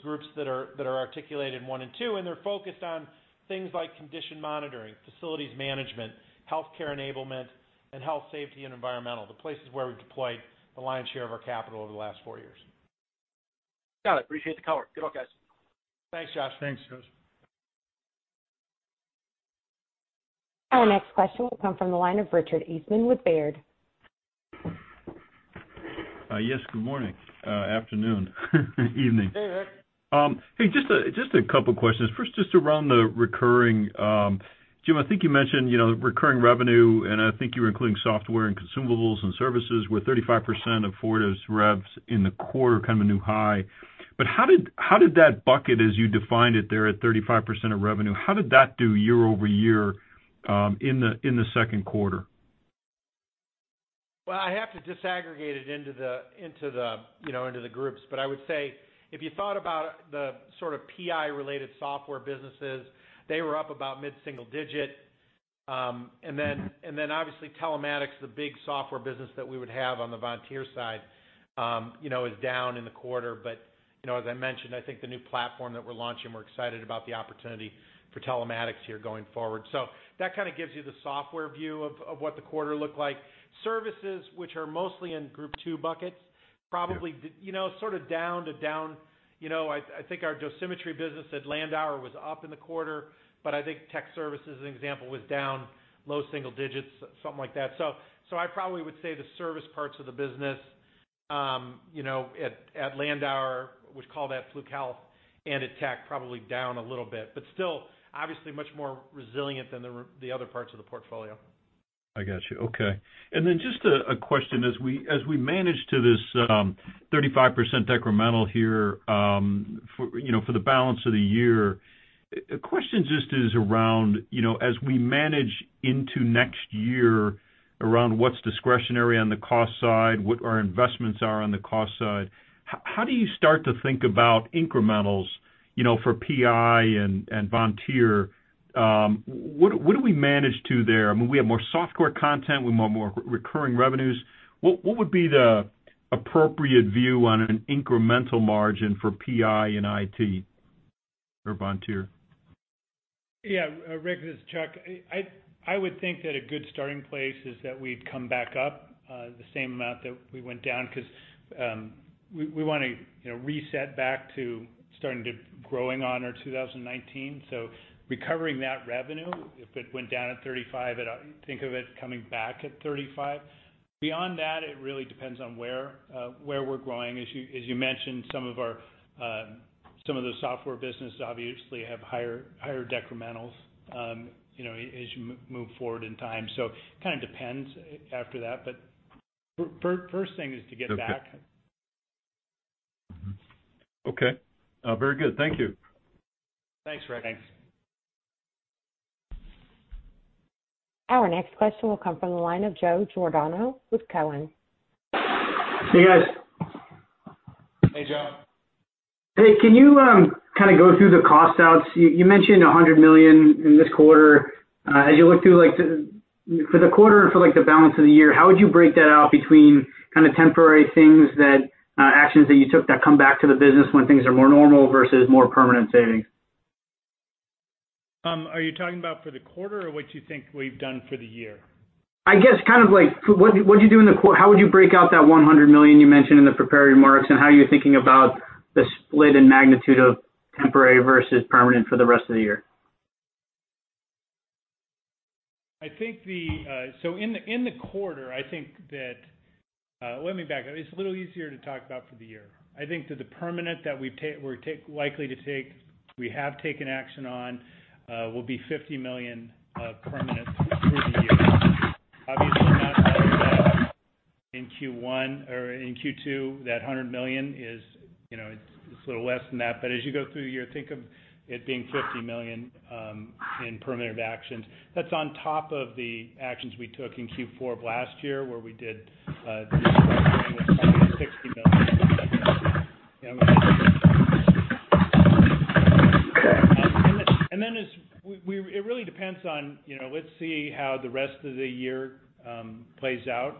groups that are articulated in one and two, and they're focused on things like condition monitoring, facilities management, healthcare enablement, and health safety and environmental, the places where we've deployed the lion's share of our capital over the last four years. Got it. Appreciate the color. Good luck, guys. Thanks, Josh. Thanks, Josh. Our next question will come from the line of Richard Eastman with Baird. Yes. Good morning, afternoon, evening. Hey, Rick. Hey, just a couple questions. First, just around the recurring. Jim, I think you mentioned recurring revenue, and I think you were including software and consumables and services, where 35% of Fortive's revs in the quarter, kind of a new high. How did that bucket, as you defined it there at 35% of revenue, how did that do year-over-year in the second quarter? I have to disaggregate it into the groups. I would say if you thought about the sort of PI-related software businesses, they were up about mid-single digit. Obviously, Telematics, the big software business that we would have on the Vontier side is down in the quarter. As I mentioned, I think the new platform that we're launching, we're excited about the opportunity for Telematics here going forward. That kind of gives you the software view of what the quarter looked like. Services, which are mostly in Group two Buckets. Yeah. probably, sort of down to down. I think our Dosimetry business at LANDAUER was up in the quarter, but I think tech services, as an example, was down low single digits, something like that. I probably would say the service parts of the business at LANDAUER, we call that Fluke Health and at TAC, probably down a little bit. Still, obviously much more resilient than the other parts of the portfolio. I got you. Okay. Just a question as we manage to this 35% decremental here for the balance of the year. Question just is around, as we manage into next year around what's discretionary on the cost side, what our investments are on the cost side, how do you start to think about incrementals for PI and Vontier? What do we manage to there? We have more software content. We have more recurring revenues. What would be the appropriate view on an incremental margin for PI and IT or Vontier? Yeah, Rick, this is Chuck. I would think that a good starting place is that we'd come back up the same amount that we went down because we want to reset back to starting to growing on our 2019. Recovering that revenue, if it went down at 35, I think of it coming back at 35. Beyond that, it really depends on where we're growing. As you mentioned, some of the software businesses obviously have higher decrementals as you move forward in time. Kind of depends after that. First thing is to get back. Okay. Okay. Very good. Thank you. Thanks, Rick. Thanks. Our next question will come from the line of Joe Giordano with Cowen. Hey, guys. Hey, Joe. Hey. Can you kind of go through the cost outs? You mentioned $100 million in this quarter. As you look for the quarter and for the balance of the year, how would you break that out between kind of temporary actions that you took that come back to the business when things are more normal versus more permanent savings? Are you talking about for the quarter or what you think we've done for the year? I guess kind of like what do you do how would you break out that $100 million you mentioned in the prepared remarks, and how are you thinking about the split and magnitude of temporary versus permanent for the rest of the year? In the quarter, I think that. Let me back up. It's a little easier to talk about for the year. I think that the permanent that we're likely to take, we have taken action on, will be $50 million permanent through the year. Obviously, not all of that in Q1 or in Q2. That $100 million is a little less than that. As you go through the year, think of it being $50 million in permanent actions. That's on top of the actions we took in Q4 of last year, where we did $50 million-$60 million in permanent. Then it really depends on, let's see how the rest of the year plays out,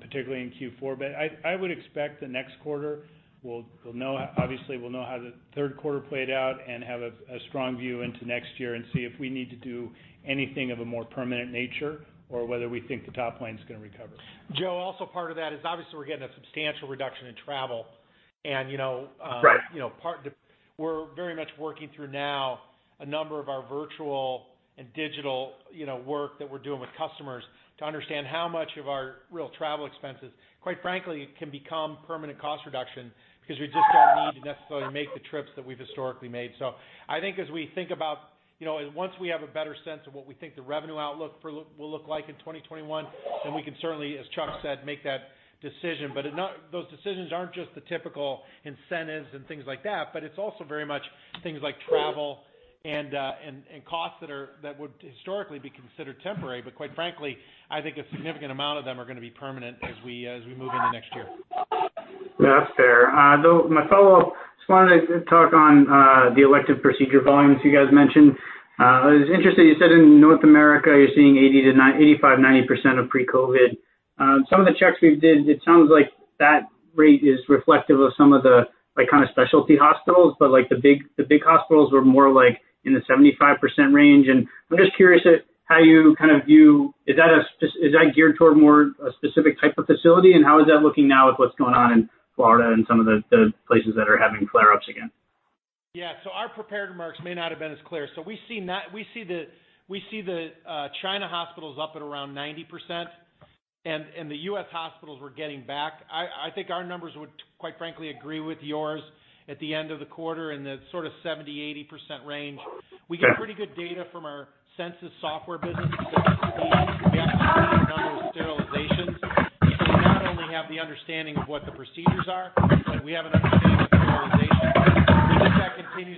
particularly in Q4. I would expect the next quarter, obviously, we'll know how the third quarter played out and have a strong view into next year and see if we need to do anything of a more permanent nature or whether we think the top line's going to recover. Joe, also part of that is obviously we're getting a substantial reduction in travel. Right. We're very much working through now a number of our virtual and digital work that we're doing with customers to understand how much of our real travel expenses, quite frankly, can become permanent cost reduction because we just don't need to necessarily make the trips that we've historically made. I think as we think about, once we have a better sense of what we think the revenue outlook will look like in 2021, then we can certainly, as Chuck said, make that decision. Those decisions aren't just the typical incentives and things like that, but it's also very much things like travel and costs that would historically be considered temporary. Quite frankly, I think a significant amount of them are going to be permanent as we move into next year. That's fair. My follow-up, just wanted to talk on the elective procedure volumes you guys mentioned. It was interesting you said in North America, you're seeing 85%-90% of pre-COVID. Some of the checks we did, it sounds like that rate is reflective of some of the kind of specialty hospitals, but the big hospitals were more in the 75% range. I'm just curious at how you kind of view, is that geared toward more a specific type of facility, and how is that looking now with what's going on in Florida and some of the places that are having flare-ups again? Yeah. Our prepared remarks may not have been as clear. We see the China hospitals up at around 90%, an d the U.S. hospitals were getting back. I think our numbers would, quite frankly, agree with yours at the end of the quarter in the sort of 70%, 80% range. Yeah. We get pretty good data from our CensiTrac software business because we actually see the number of sterilizations. And so we not only have the understanding of what the procedures are, but we have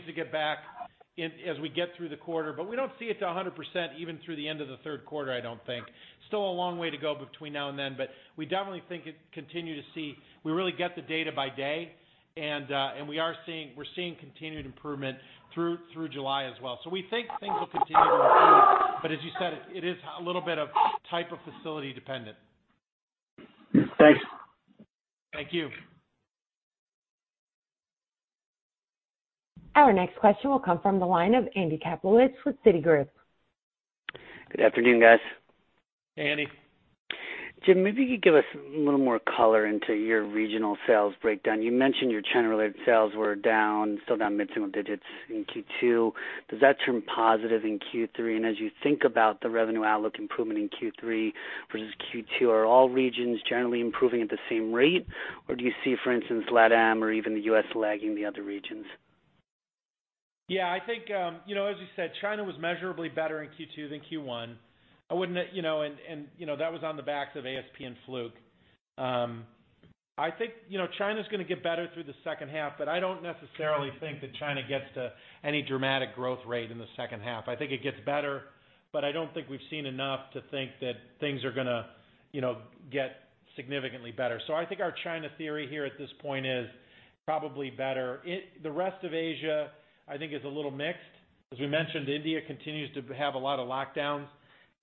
To get back as we get through the quarter. We don't see it to 100%, even through the end of the third quarter, I don't think. Still a long way to go between now and then, but we definitely think it continue to see. We really get the data by day, and we're seeing continued improvement through July as well. We think things will continue to improve, but as you said, it is a little bit of type of facility dependent. Thanks. Thank you. Our next question will come from the line of Andy Kaplowitz with Citigroup. Good afternoon, guys. Hey, Andy. Jim, maybe you could give us a little more color into your regional sales breakdown. You mentioned your China-related sales were down, still down mid-single digits in Q2. Does that turn positive in Q3? As you think about the revenue outlook improvement in Q3 versus Q2, are all regions generally improving at the same rate, or do you see, for instance, LATAM or even the U.S. lagging the other regions? Yeah, I think, as you said, China was measurably better in Q2 than Q1. That was on the backs of ASP and Fluke. I think China's going to get better through the second half, but I don't necessarily think that China gets to any dramatic growth rate in the second half. I think it gets better, but I don't think we've seen enough to think that things are going to get significantly better. I think our China theory here at this point is probably better. The rest of Asia, I think, is a little mixed. As we mentioned, India continues to have a lot of lockdowns.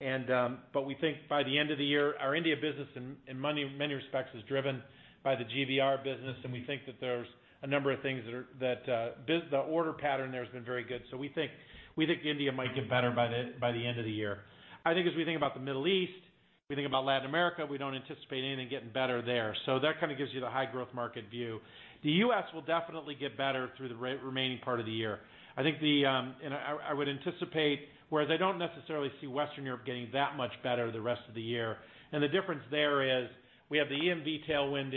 We think by the end of the year, our India business in many respects is driven by the GVR business, and we think that there's a number of things there. The order pattern there has been very good. We think India might get better by the end of the year. I think as we think about the Middle East, we think about Latin America, we don't anticipate anything getting better there. That kind of gives you the high growth market view. The U.S. will definitely get better through the remaining part of the year. I would anticipate, whereas I don't necessarily see Western Europe getting that much better the rest of the year, and the difference there is we have the EMV tailwind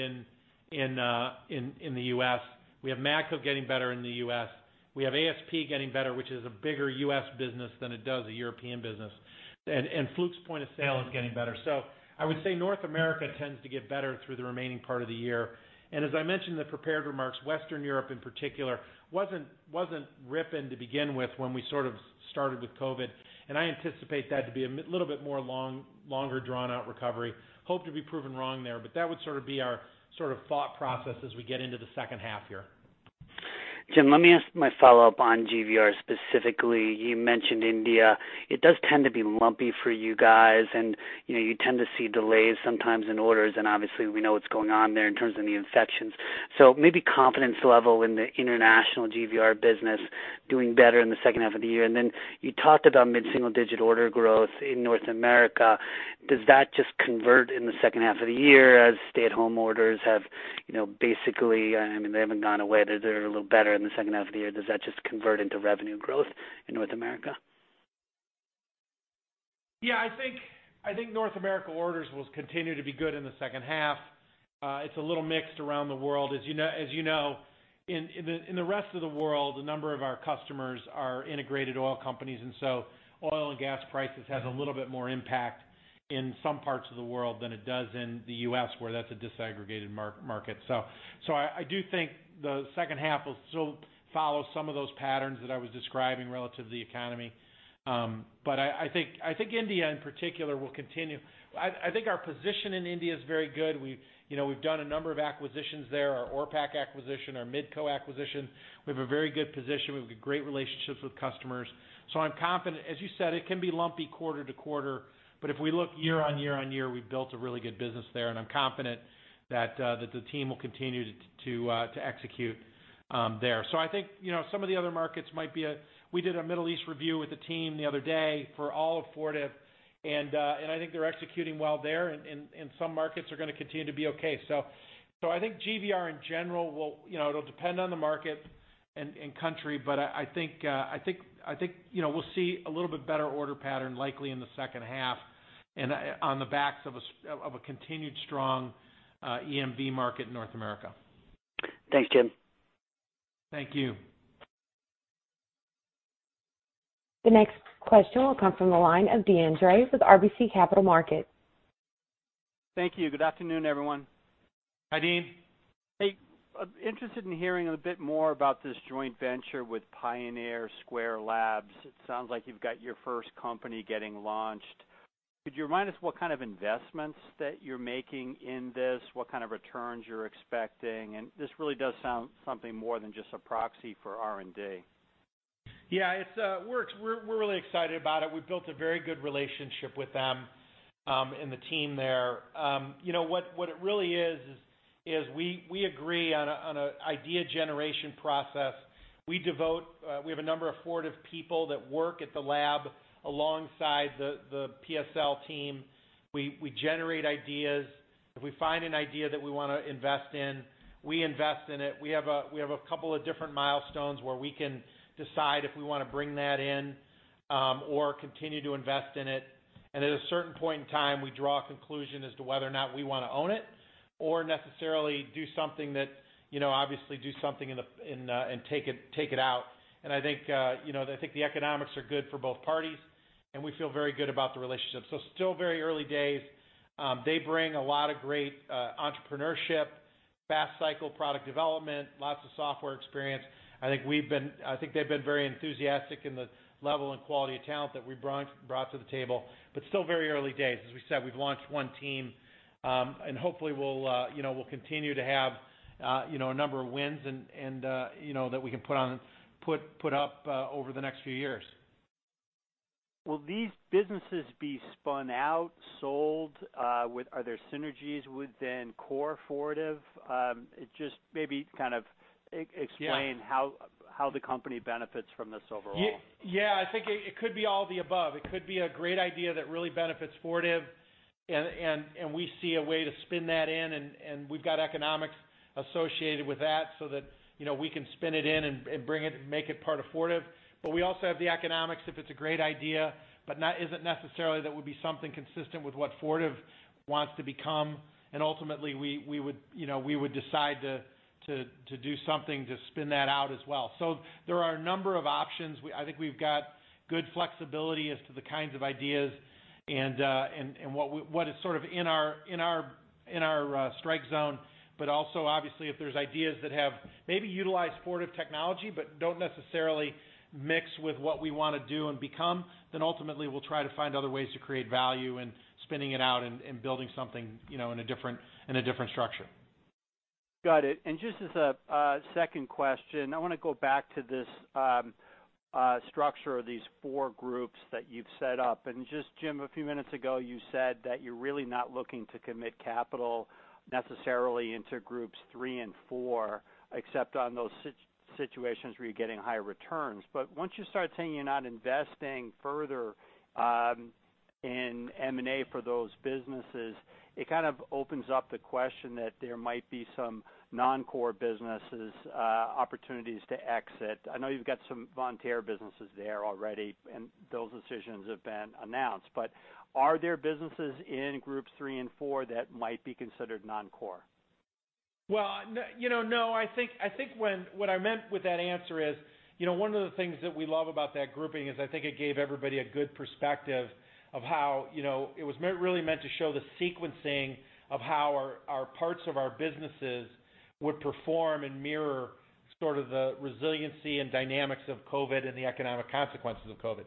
in the U.S. We have Matco getting better in the U.S. We have ASP getting better, which is a bigger U.S. business than it does a European business. Fluke's point of sale is getting better. I would say North America tends to get better through the remaining part of the year. As I mentioned in the prepared remarks, Western Europe in particular wasn't ripping to begin with when we sort of started with COVID-19, and I anticipate that to be a little bit more longer drawn-out recovery. Hope to be proven wrong there, that would sort of be our thought process as we get into the second half here. Jim, let me ask my follow-up on GVR specifically. You mentioned India. It does tend to be lumpy for you guys, and you tend to see delays sometimes in orders, and obviously, we know what's going on there in terms of the infections. Maybe confidence level in the international GVR business doing better in the second half of the year? Then you talked about mid-single digit order growth in North America. Does that just convert in the second half of the year as stay-at-home orders have basically I mean, they haven't gone away? They're a little better in the second half of the year. Does that just convert into revenue growth in North America? Yeah, I think North America orders will continue to be good in the second half. It's a little mixed around the world. As you know, in the rest of the world, a number of our customers are integrated oil companies, and so oil and gas prices has a little bit more impact in some parts of the world than it does in the U.S., where that's a disaggregated market. I do think the second half will still follow some of those patterns that I was describing relative to the economy. I think India, in particular, will continue. I think our position in India is very good. We've done a number of acquisitions there, our Orpak acquisition, our Midco acquisition. We have a very good position. We have great relationships with customers. I'm confident. As you said, it can be lumpy quarter to quarter, but if we look year on year on year, we've built a really good business there, and I'm confident that the team will continue to execute there. I think some of the other markets might be We did a Middle East review with the team the other day for all of Fortive, and I think they're executing well there, and some markets are going to continue to be okay. I think GVR, in general, it'll depend on the market and country, but I think we'll see a little bit better order pattern likely in the second half and on the backs of a continued strong EMV market in North America. Thanks, Jim. Thank you. The next question will come from the line of Deane Dray with RBC Capital Markets. Thank you. Good afternoon, everyone. Hi, Deane. Hey. I'm interested in hearing a bit more about this joint venture with Pioneer Square Labs. It sounds like you've got your first company getting launched. Could you remind us what kind of investments that you're making in this, what kind of returns you're expecting? This really does sound something more than just a proxy for R&D. We're really excited about it. We've built a very good relationship with them and the team there. What it really is we agree on an idea generation process. We have a number of Fortive people that work at the lab alongside the PSL team. We generate ideas. If we find an idea that we want to invest in, we invest in it. We have a couple of different milestones where we can decide if we want to bring that in or continue to invest in it. At a certain point in time, we draw a conclusion as to whether or not we want to own it or necessarily do something and take it out. I think the economics are good for both parties. We feel very good about the relationship. Still very early days. They bring a lot of great entrepreneurship, fast Cycle Product Development, lots of software experience. I think they've been very enthusiastic in the level and quality of talent that we brought to the table. Still very early days. As we said, we've launched one team, and hopefully we'll continue to have a number of wins that we can put up over the next few years. Will these businesses be spun out, sold? Are there synergies within core Fortive? Just maybe kind of explain. Yeah. How the company benefits from this overall. Yeah. I think it could be all the above. It could be a great idea that really benefits Fortive, and we see a way to spin that in, and we've got economics associated with that so that we can spin it in and make it part of Fortive. We also have the economics, if it's a great idea, but isn't necessarily that would be something consistent with what Fortive wants to become, and ultimately we would decide to do something to spin that out as well. There are a number of options. I think we've got good flexibility as to the kinds of ideas and what is sort of in our strike zone. Also, obviously, if there's ideas that have maybe utilized Fortive technology but don't necessarily mix with what we want to do and become, then ultimately we'll try to find other ways to create value in spinning it out and building something in a different structure. Got it. Just as a second question, I want to go back to this structure of these four groups that you've set up. Just, Jim, a few minutes ago, you said that you're really not looking to commit capital necessarily into groups three and four, except on those situations where you're getting higher returns. Once you start saying you're not investing further in M&A for those businesses, it kind of opens up the question that there might be some non-core businesses opportunities to exit. I know you've got some Vontier businesses there already, and those decisions have been announced. Are there businesses in group three and four that might be considered non-core? Well, no. I think what I meant with that answer is, one of the things that we love about that grouping is I think it gave everybody a good perspective of how it was really meant to show the sequencing of how our parts of our businesses would perform and mirror sort of the resiliency and dynamics of COVID and the economic consequences of COVID.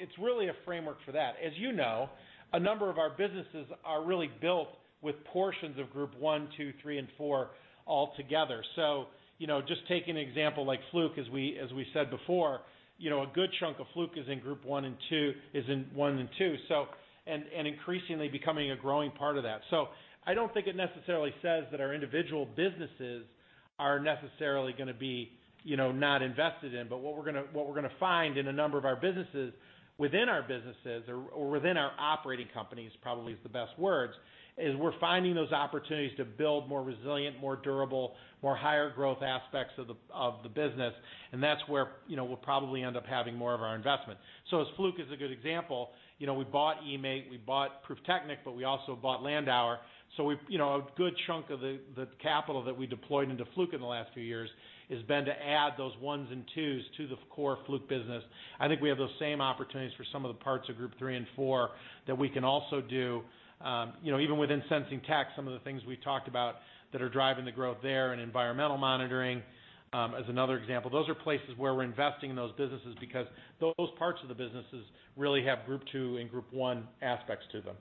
It's really a framework for that. As you know, a number of our businesses are really built with portions of Group one, two, three, and four all together. Just take an example like Fluke, as we said before, a good chunk of Fluke is in Group one and two, and increasingly becoming a growing part of that. I don't think it necessarily says that our individual businesses are necessarily going to be not invested in. What we're going to find in a number of our businesses, within our businesses or within our operating companies, probably is the best words, is we're finding those opportunities to build more resilient, more durable, more higher growth aspects of the business. That's where we'll probably end up having more of our investment. As Fluke is a good example, we bought eMaint, we bought PRÜFTECHNIK, but we also bought LANDAUER. A good chunk of the capital that we deployed into Fluke in the last few years has been to add those ones and twos to the core Fluke business. I think we have those same opportunities for some of the parts of group three and four that we can also do, even within Sensing Technologies, some of the things we talked about that are driving the growth there, and environmental monitoring as another example. Those are places where we're investing in those businesses because those parts of the businesses really have Group two and Group one aspects to them.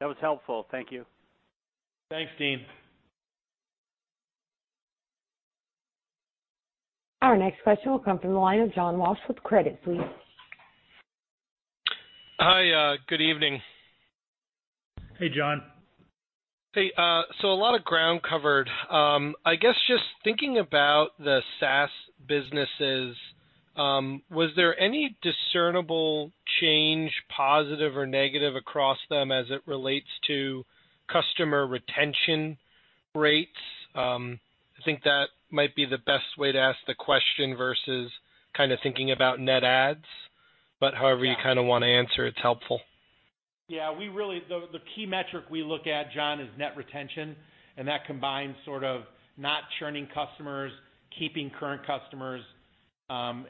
That was helpful. Thank you. Thanks, Deane. Our next question will come from the line of John Walsh with Credit Suisse. Hi. Good evening. Hey, John. Hey. A lot of ground covered. I guess, just thinking about the SaaS businesses, was there any discernible change, positive or negative, across them as it relates to customer retention rates? I think that might be the best way to ask the question versus kind of thinking about net adds. However you kind of want to answer, it's helpful. The key metric we look at, John, is net retention, and that combines sort of not churning customers, keeping current customers. All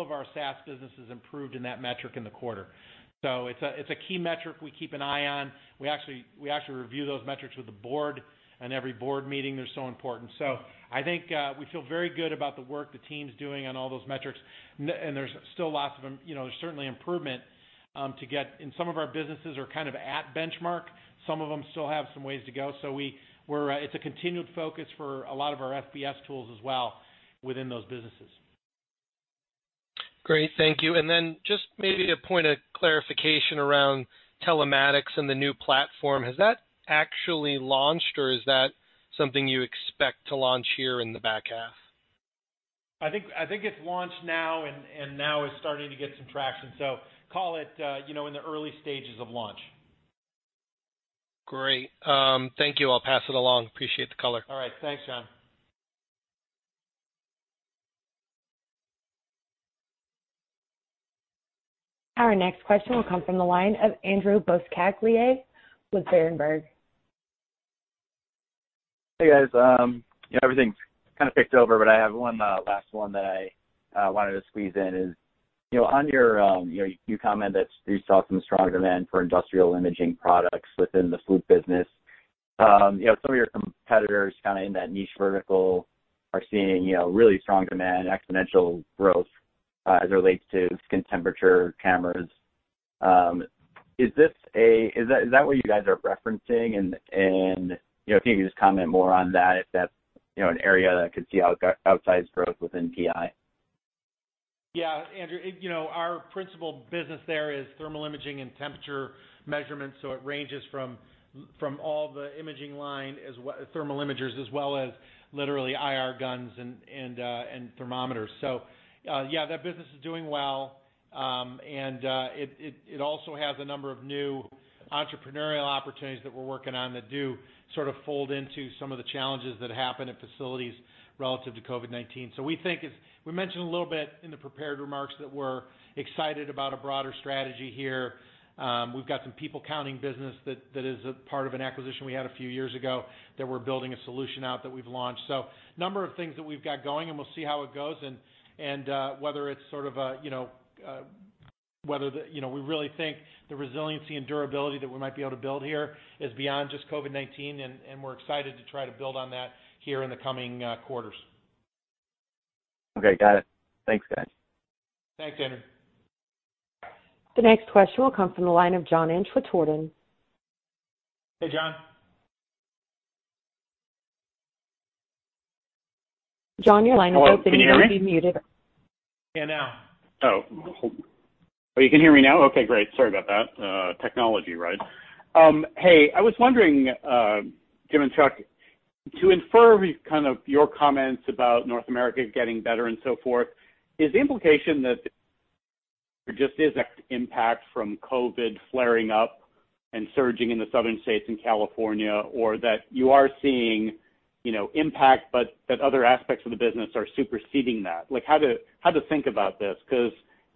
of our SaaS businesses improved in that metric in the quarter. It's a key metric we keep an eye on. We actually review those metrics with the board on every board meeting. They're so important. I think we feel very good about the work the team's doing on all those metrics, and there's still lots of them. There's certainly improvement to get, and some of our businesses are kind of at benchmark. Some of them still have some ways to go. It's a continued focus for a lot of our FBS tools as well within those businesses. Great. Thank you. Then just maybe a point of clarification around telematics and the new platform. Has that actually launched, or is that something you expect to launch here in the back half? I think it's launched now is starting to get some traction. Call it in the early stages of launch. Great. Thank you. I'll pass it along. Appreciate the color. All right. Thanks, John. Our next question will come from the line of Andrew Buscaglia with Berenberg. Hey guys. Everything's kind of picked over. I have one last one that I wanted to squeeze in is, you comment that you saw some strong demand for industrial imaging products within the Fluke business. Some of your competitors in that niche vertical are seeing really strong demand, exponential growth as it relates to skin temperature cameras. Is that what you guys are referencing? If you could just comment more on that, if that's an area that could see outsized growth within PI. Andrew, our principal business there is thermal imaging and temperature measurements. It ranges from all the imaging line, thermal imagers, as well as literally IR guns and thermometers. That business is doing well. It also has a number of new entrepreneurial opportunities that we're working on that do sort of fold into some of the challenges that happen at facilities relative to COVID-19. We think as we mentioned a little bit in the prepared remarks, that we're excited about a broader strategy here. We've got some people counting business that is a part of an acquisition we had a few years ago, that we're building a solution out that we've launched. Number of things that we've got going, and we'll see how it goes and whether we really think the resiliency and durability that we might be able to build here is beyond just COVID-19, and we're excited to try to build on that here in the coming quarters. Okay. Got it. Thanks, guys. Thanks, Andrew. The next question will come from the line of John Inch with Gordon. Hey, John. John, your line is open. Hello. Can you hear me? You might be muted. Can now. Oh. You can hear me now? Okay, great. Sorry about that. Technology, right? Hey, I was wondering, Jim and Chuck, to infer kind of your comments about North America getting better and so forth, is the implication that there just isn't impact from COVID flaring up and surging in the Southern states and California? Or that you are seeing impact, but that other aspects of the business are superseding that? How to think about this because,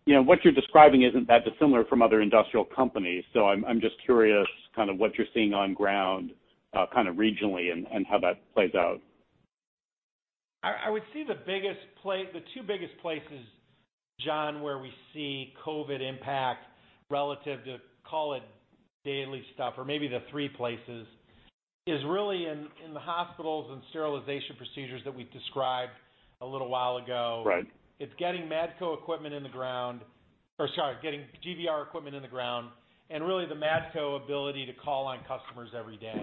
what you're describing isn't that dissimilar from other industrial companies. I'm just curious kind of what you're seeing on ground regionally and how that plays out. I would say the two biggest places, John, where we see COVID impact relative to call it daily stuff, or maybe the three places, is really in the hospitals and sterilization procedures that we've described a little while ago. Right. It's getting Matco equipment in the ground, or, sorry, getting GVR equipment in the ground, and really the Matco ability to call on customers every day.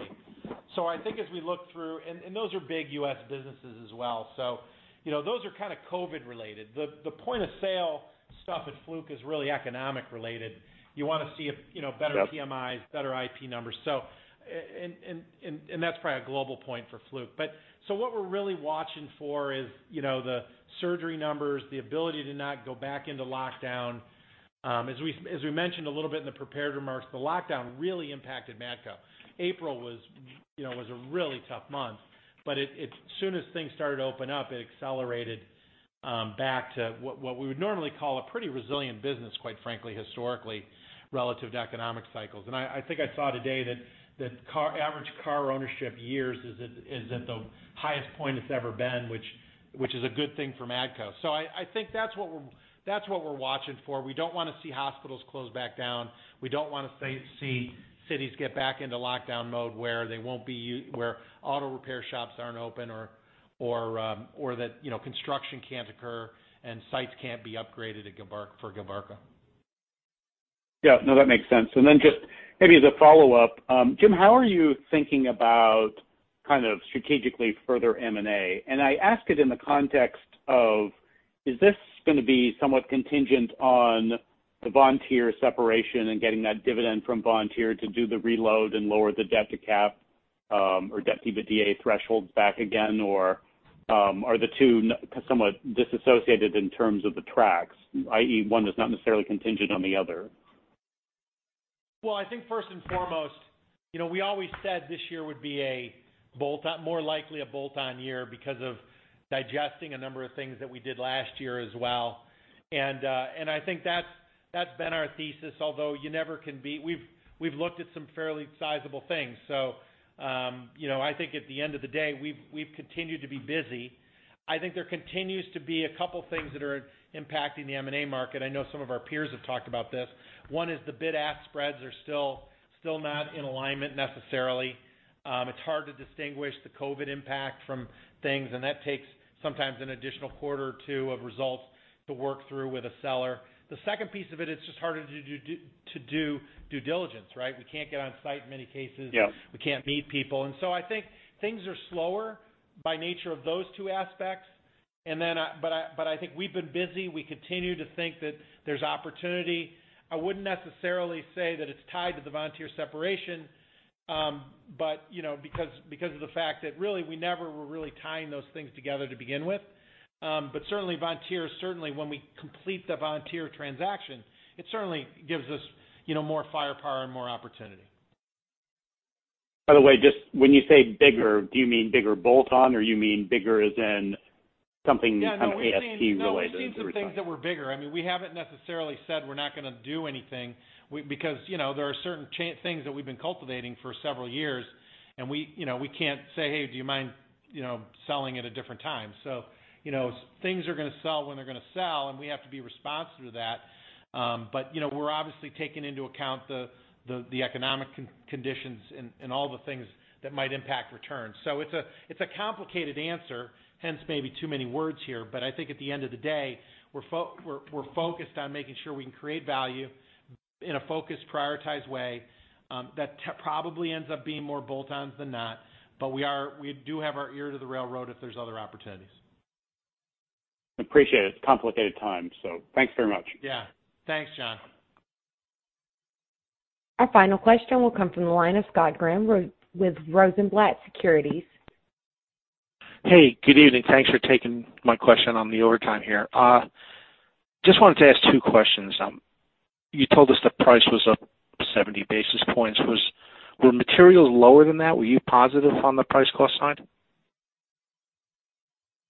I think as we look through And those are big U.S. businesses as well. Those are kind of COVID related. The point of sale stuff at Fluke is really economic related. You want to see if. Yep. better PMIs, better IP numbers. That's probably a global point for Fluke. What we're really watching for is the surgery numbers, the ability to not go back into lockdown. As we mentioned a little bit in the prepared remarks, the lockdown really impacted Matco. April was a really tough month, but as soon as things started to open up, it accelerated back to what we would normally call a pretty resilient business, quite frankly, historically, relative to economic cycles. I think I saw today that average car ownership years is at the highest point it's ever been, which is a good thing for Matco. I think that's what we're watching for. We don't want to see hospitals close back down. We don't want to see cities get back into lockdown mode where auto repair shops aren't open or that construction can't occur and sites can't be upgraded for GVR. Yeah. No, that makes sense. Then just maybe as a follow-up, Jim, how are you thinking about kind of strategically further M&A? I ask it in the context of, is this going to be somewhat contingent on the Vontier separation and getting that dividend from Vontier to do the reload and lower the debt to cap, or debt EBITDA thresholds back again? Are the two somewhat disassociated in terms of the tracks, i.e. one is not necessarily contingent on the other? I think first and foremost, we always said this year would be more likely a bolt-on year because of digesting a number of things that we did last year as well. I think that's been our thesis, although We've looked at some fairly sizable things. I think at the end of the day, we've continued to be busy. I think there continues to be a couple things that are impacting the M&A market. I know some of our peers have talked about this. One is the bid-ask spreads are still not in alignment necessarily. It's hard to distinguish the COVID-19 impact from things, and that takes sometimes an additional quarter or two of results to work through with a seller. The second piece of it's just harder to do due diligence, right? We can't get on site in many cases. Yep. We can't meet people. I think things are slower by nature of those two aspects. I think we've been busy. We continue to think that there's opportunity. I wouldn't necessarily say that it's tied to the Vontier separation. Because of the fact that really we never were really tying those things together to begin with. Certainly Vontier, certainly when we complete the Vontier transaction, it certainly gives us more firepower and more opportunity. By the way, just when you say bigger, do you mean bigger bolt-on, or you mean bigger as in something kind of ASP related? No, we've seen some things that were bigger. We haven't necessarily said we're not going to do anything because there are certain things that we've been cultivating for several years, and we can't say, "Hey, do you mind selling at a different time?" Things are going to sell when they're going to sell, and we have to be responsive to that. We're obviously taking into account the economic conditions and all the things that might impact returns. It's a complicated answer, hence maybe too many words here. I think at the end of the day, we're focused on making sure we can create value in a focused, prioritized way. That probably ends up being more bolt-ons than not, but we do have our ear to the railroad if there's other opportunities. Appreciate it. It's a complicated time, so thanks very much. Yeah. Thanks, John. Our final question will come from the line of Scott Graham with Rosenblatt Securities. Hey, good evening. Thanks for taking my question on the overtime here. Just wanted to ask two questions. You told us the price was up 70 basis points. Were materials lower than that? Were you positive on the price cost side?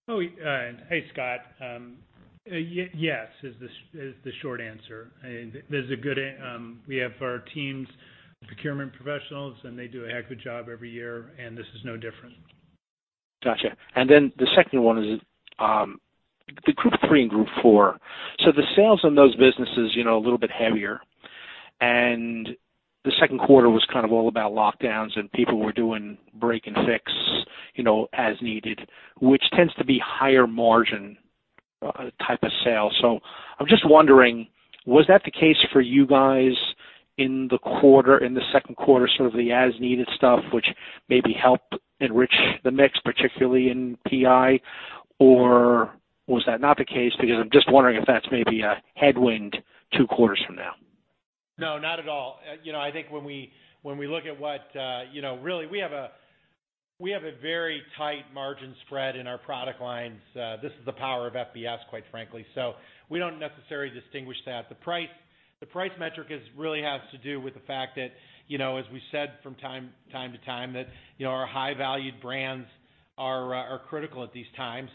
Hey, Scott. Yes is the short answer. We have our teams, procurement professionals, and they do a heck of a job every year, and this is no different. Got you. Then the second one is the Group three and Group four. The sales on those businesses, a little bit heavier. The second quarter was kind of all about lockdowns and people were doing break and fix as needed, which tends to be higher margin type of sale. I'm just wondering, was that the case for you guys in the second quarter, sort of the as-needed stuff, which maybe helped enrich the mix, particularly in PI? Was that not the case? I'm just wondering if that's maybe a headwind two quarters from now. No, not at all. I think when we look at really we have a very tight margin spread in our product lines. This is the power of FBS, quite frankly. We don't necessarily distinguish that. The price metric really has to do with the fact that, as we said from time to time, that our high-valued brands are critical at these times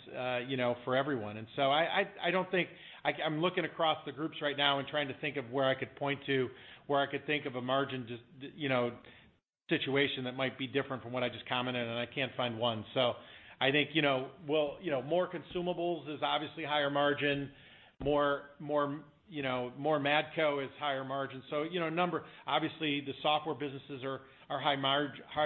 for everyone. I'm looking across the groups right now and trying to think of where I could point to, where I could think of a margin situation that might be different from what I just commented on, and I can't find one. I think more consumables is obviously higher margin, more Matco is higher margin. Obviously, the software businesses are high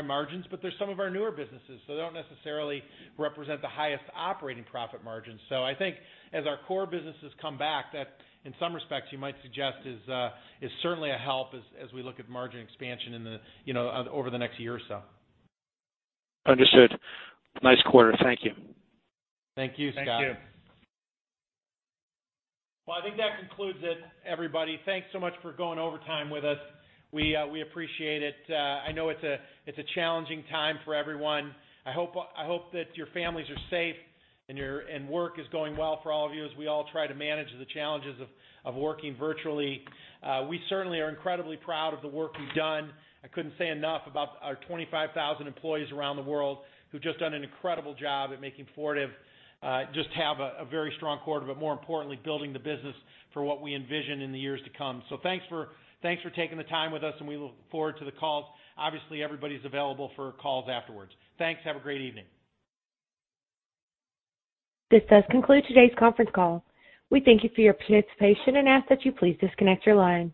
margins. They're some of our newer businesses, so they don't necessarily represent the highest operating profit margins. I think as our core businesses come back, that in some respects, you might suggest is certainly a help as we look at margin expansion over the next year or so. Understood. Nice quarter. Thank you. Thank you, Scott. Thank you. Well, I think that concludes it, everybody. Thanks so much for going overtime with us. We appreciate it. I know it's a challenging time for everyone. I hope that your families are safe, and work is going well for all of you as we all try to manage the challenges of working virtually. We certainly are incredibly proud of the work we've done. I couldn't say enough about our 25,000 employees around the world who've just done an incredible job at making Fortive just have a very strong quarter, but more importantly, building the business for what we envision in the years to come. Thanks for taking the time with us, and we look forward to the calls. Obviously, everybody's available for calls afterwards. Thanks. Have a great evening. This does conclude today's conference call. We thank you for your participation and ask that you please disconnect your line.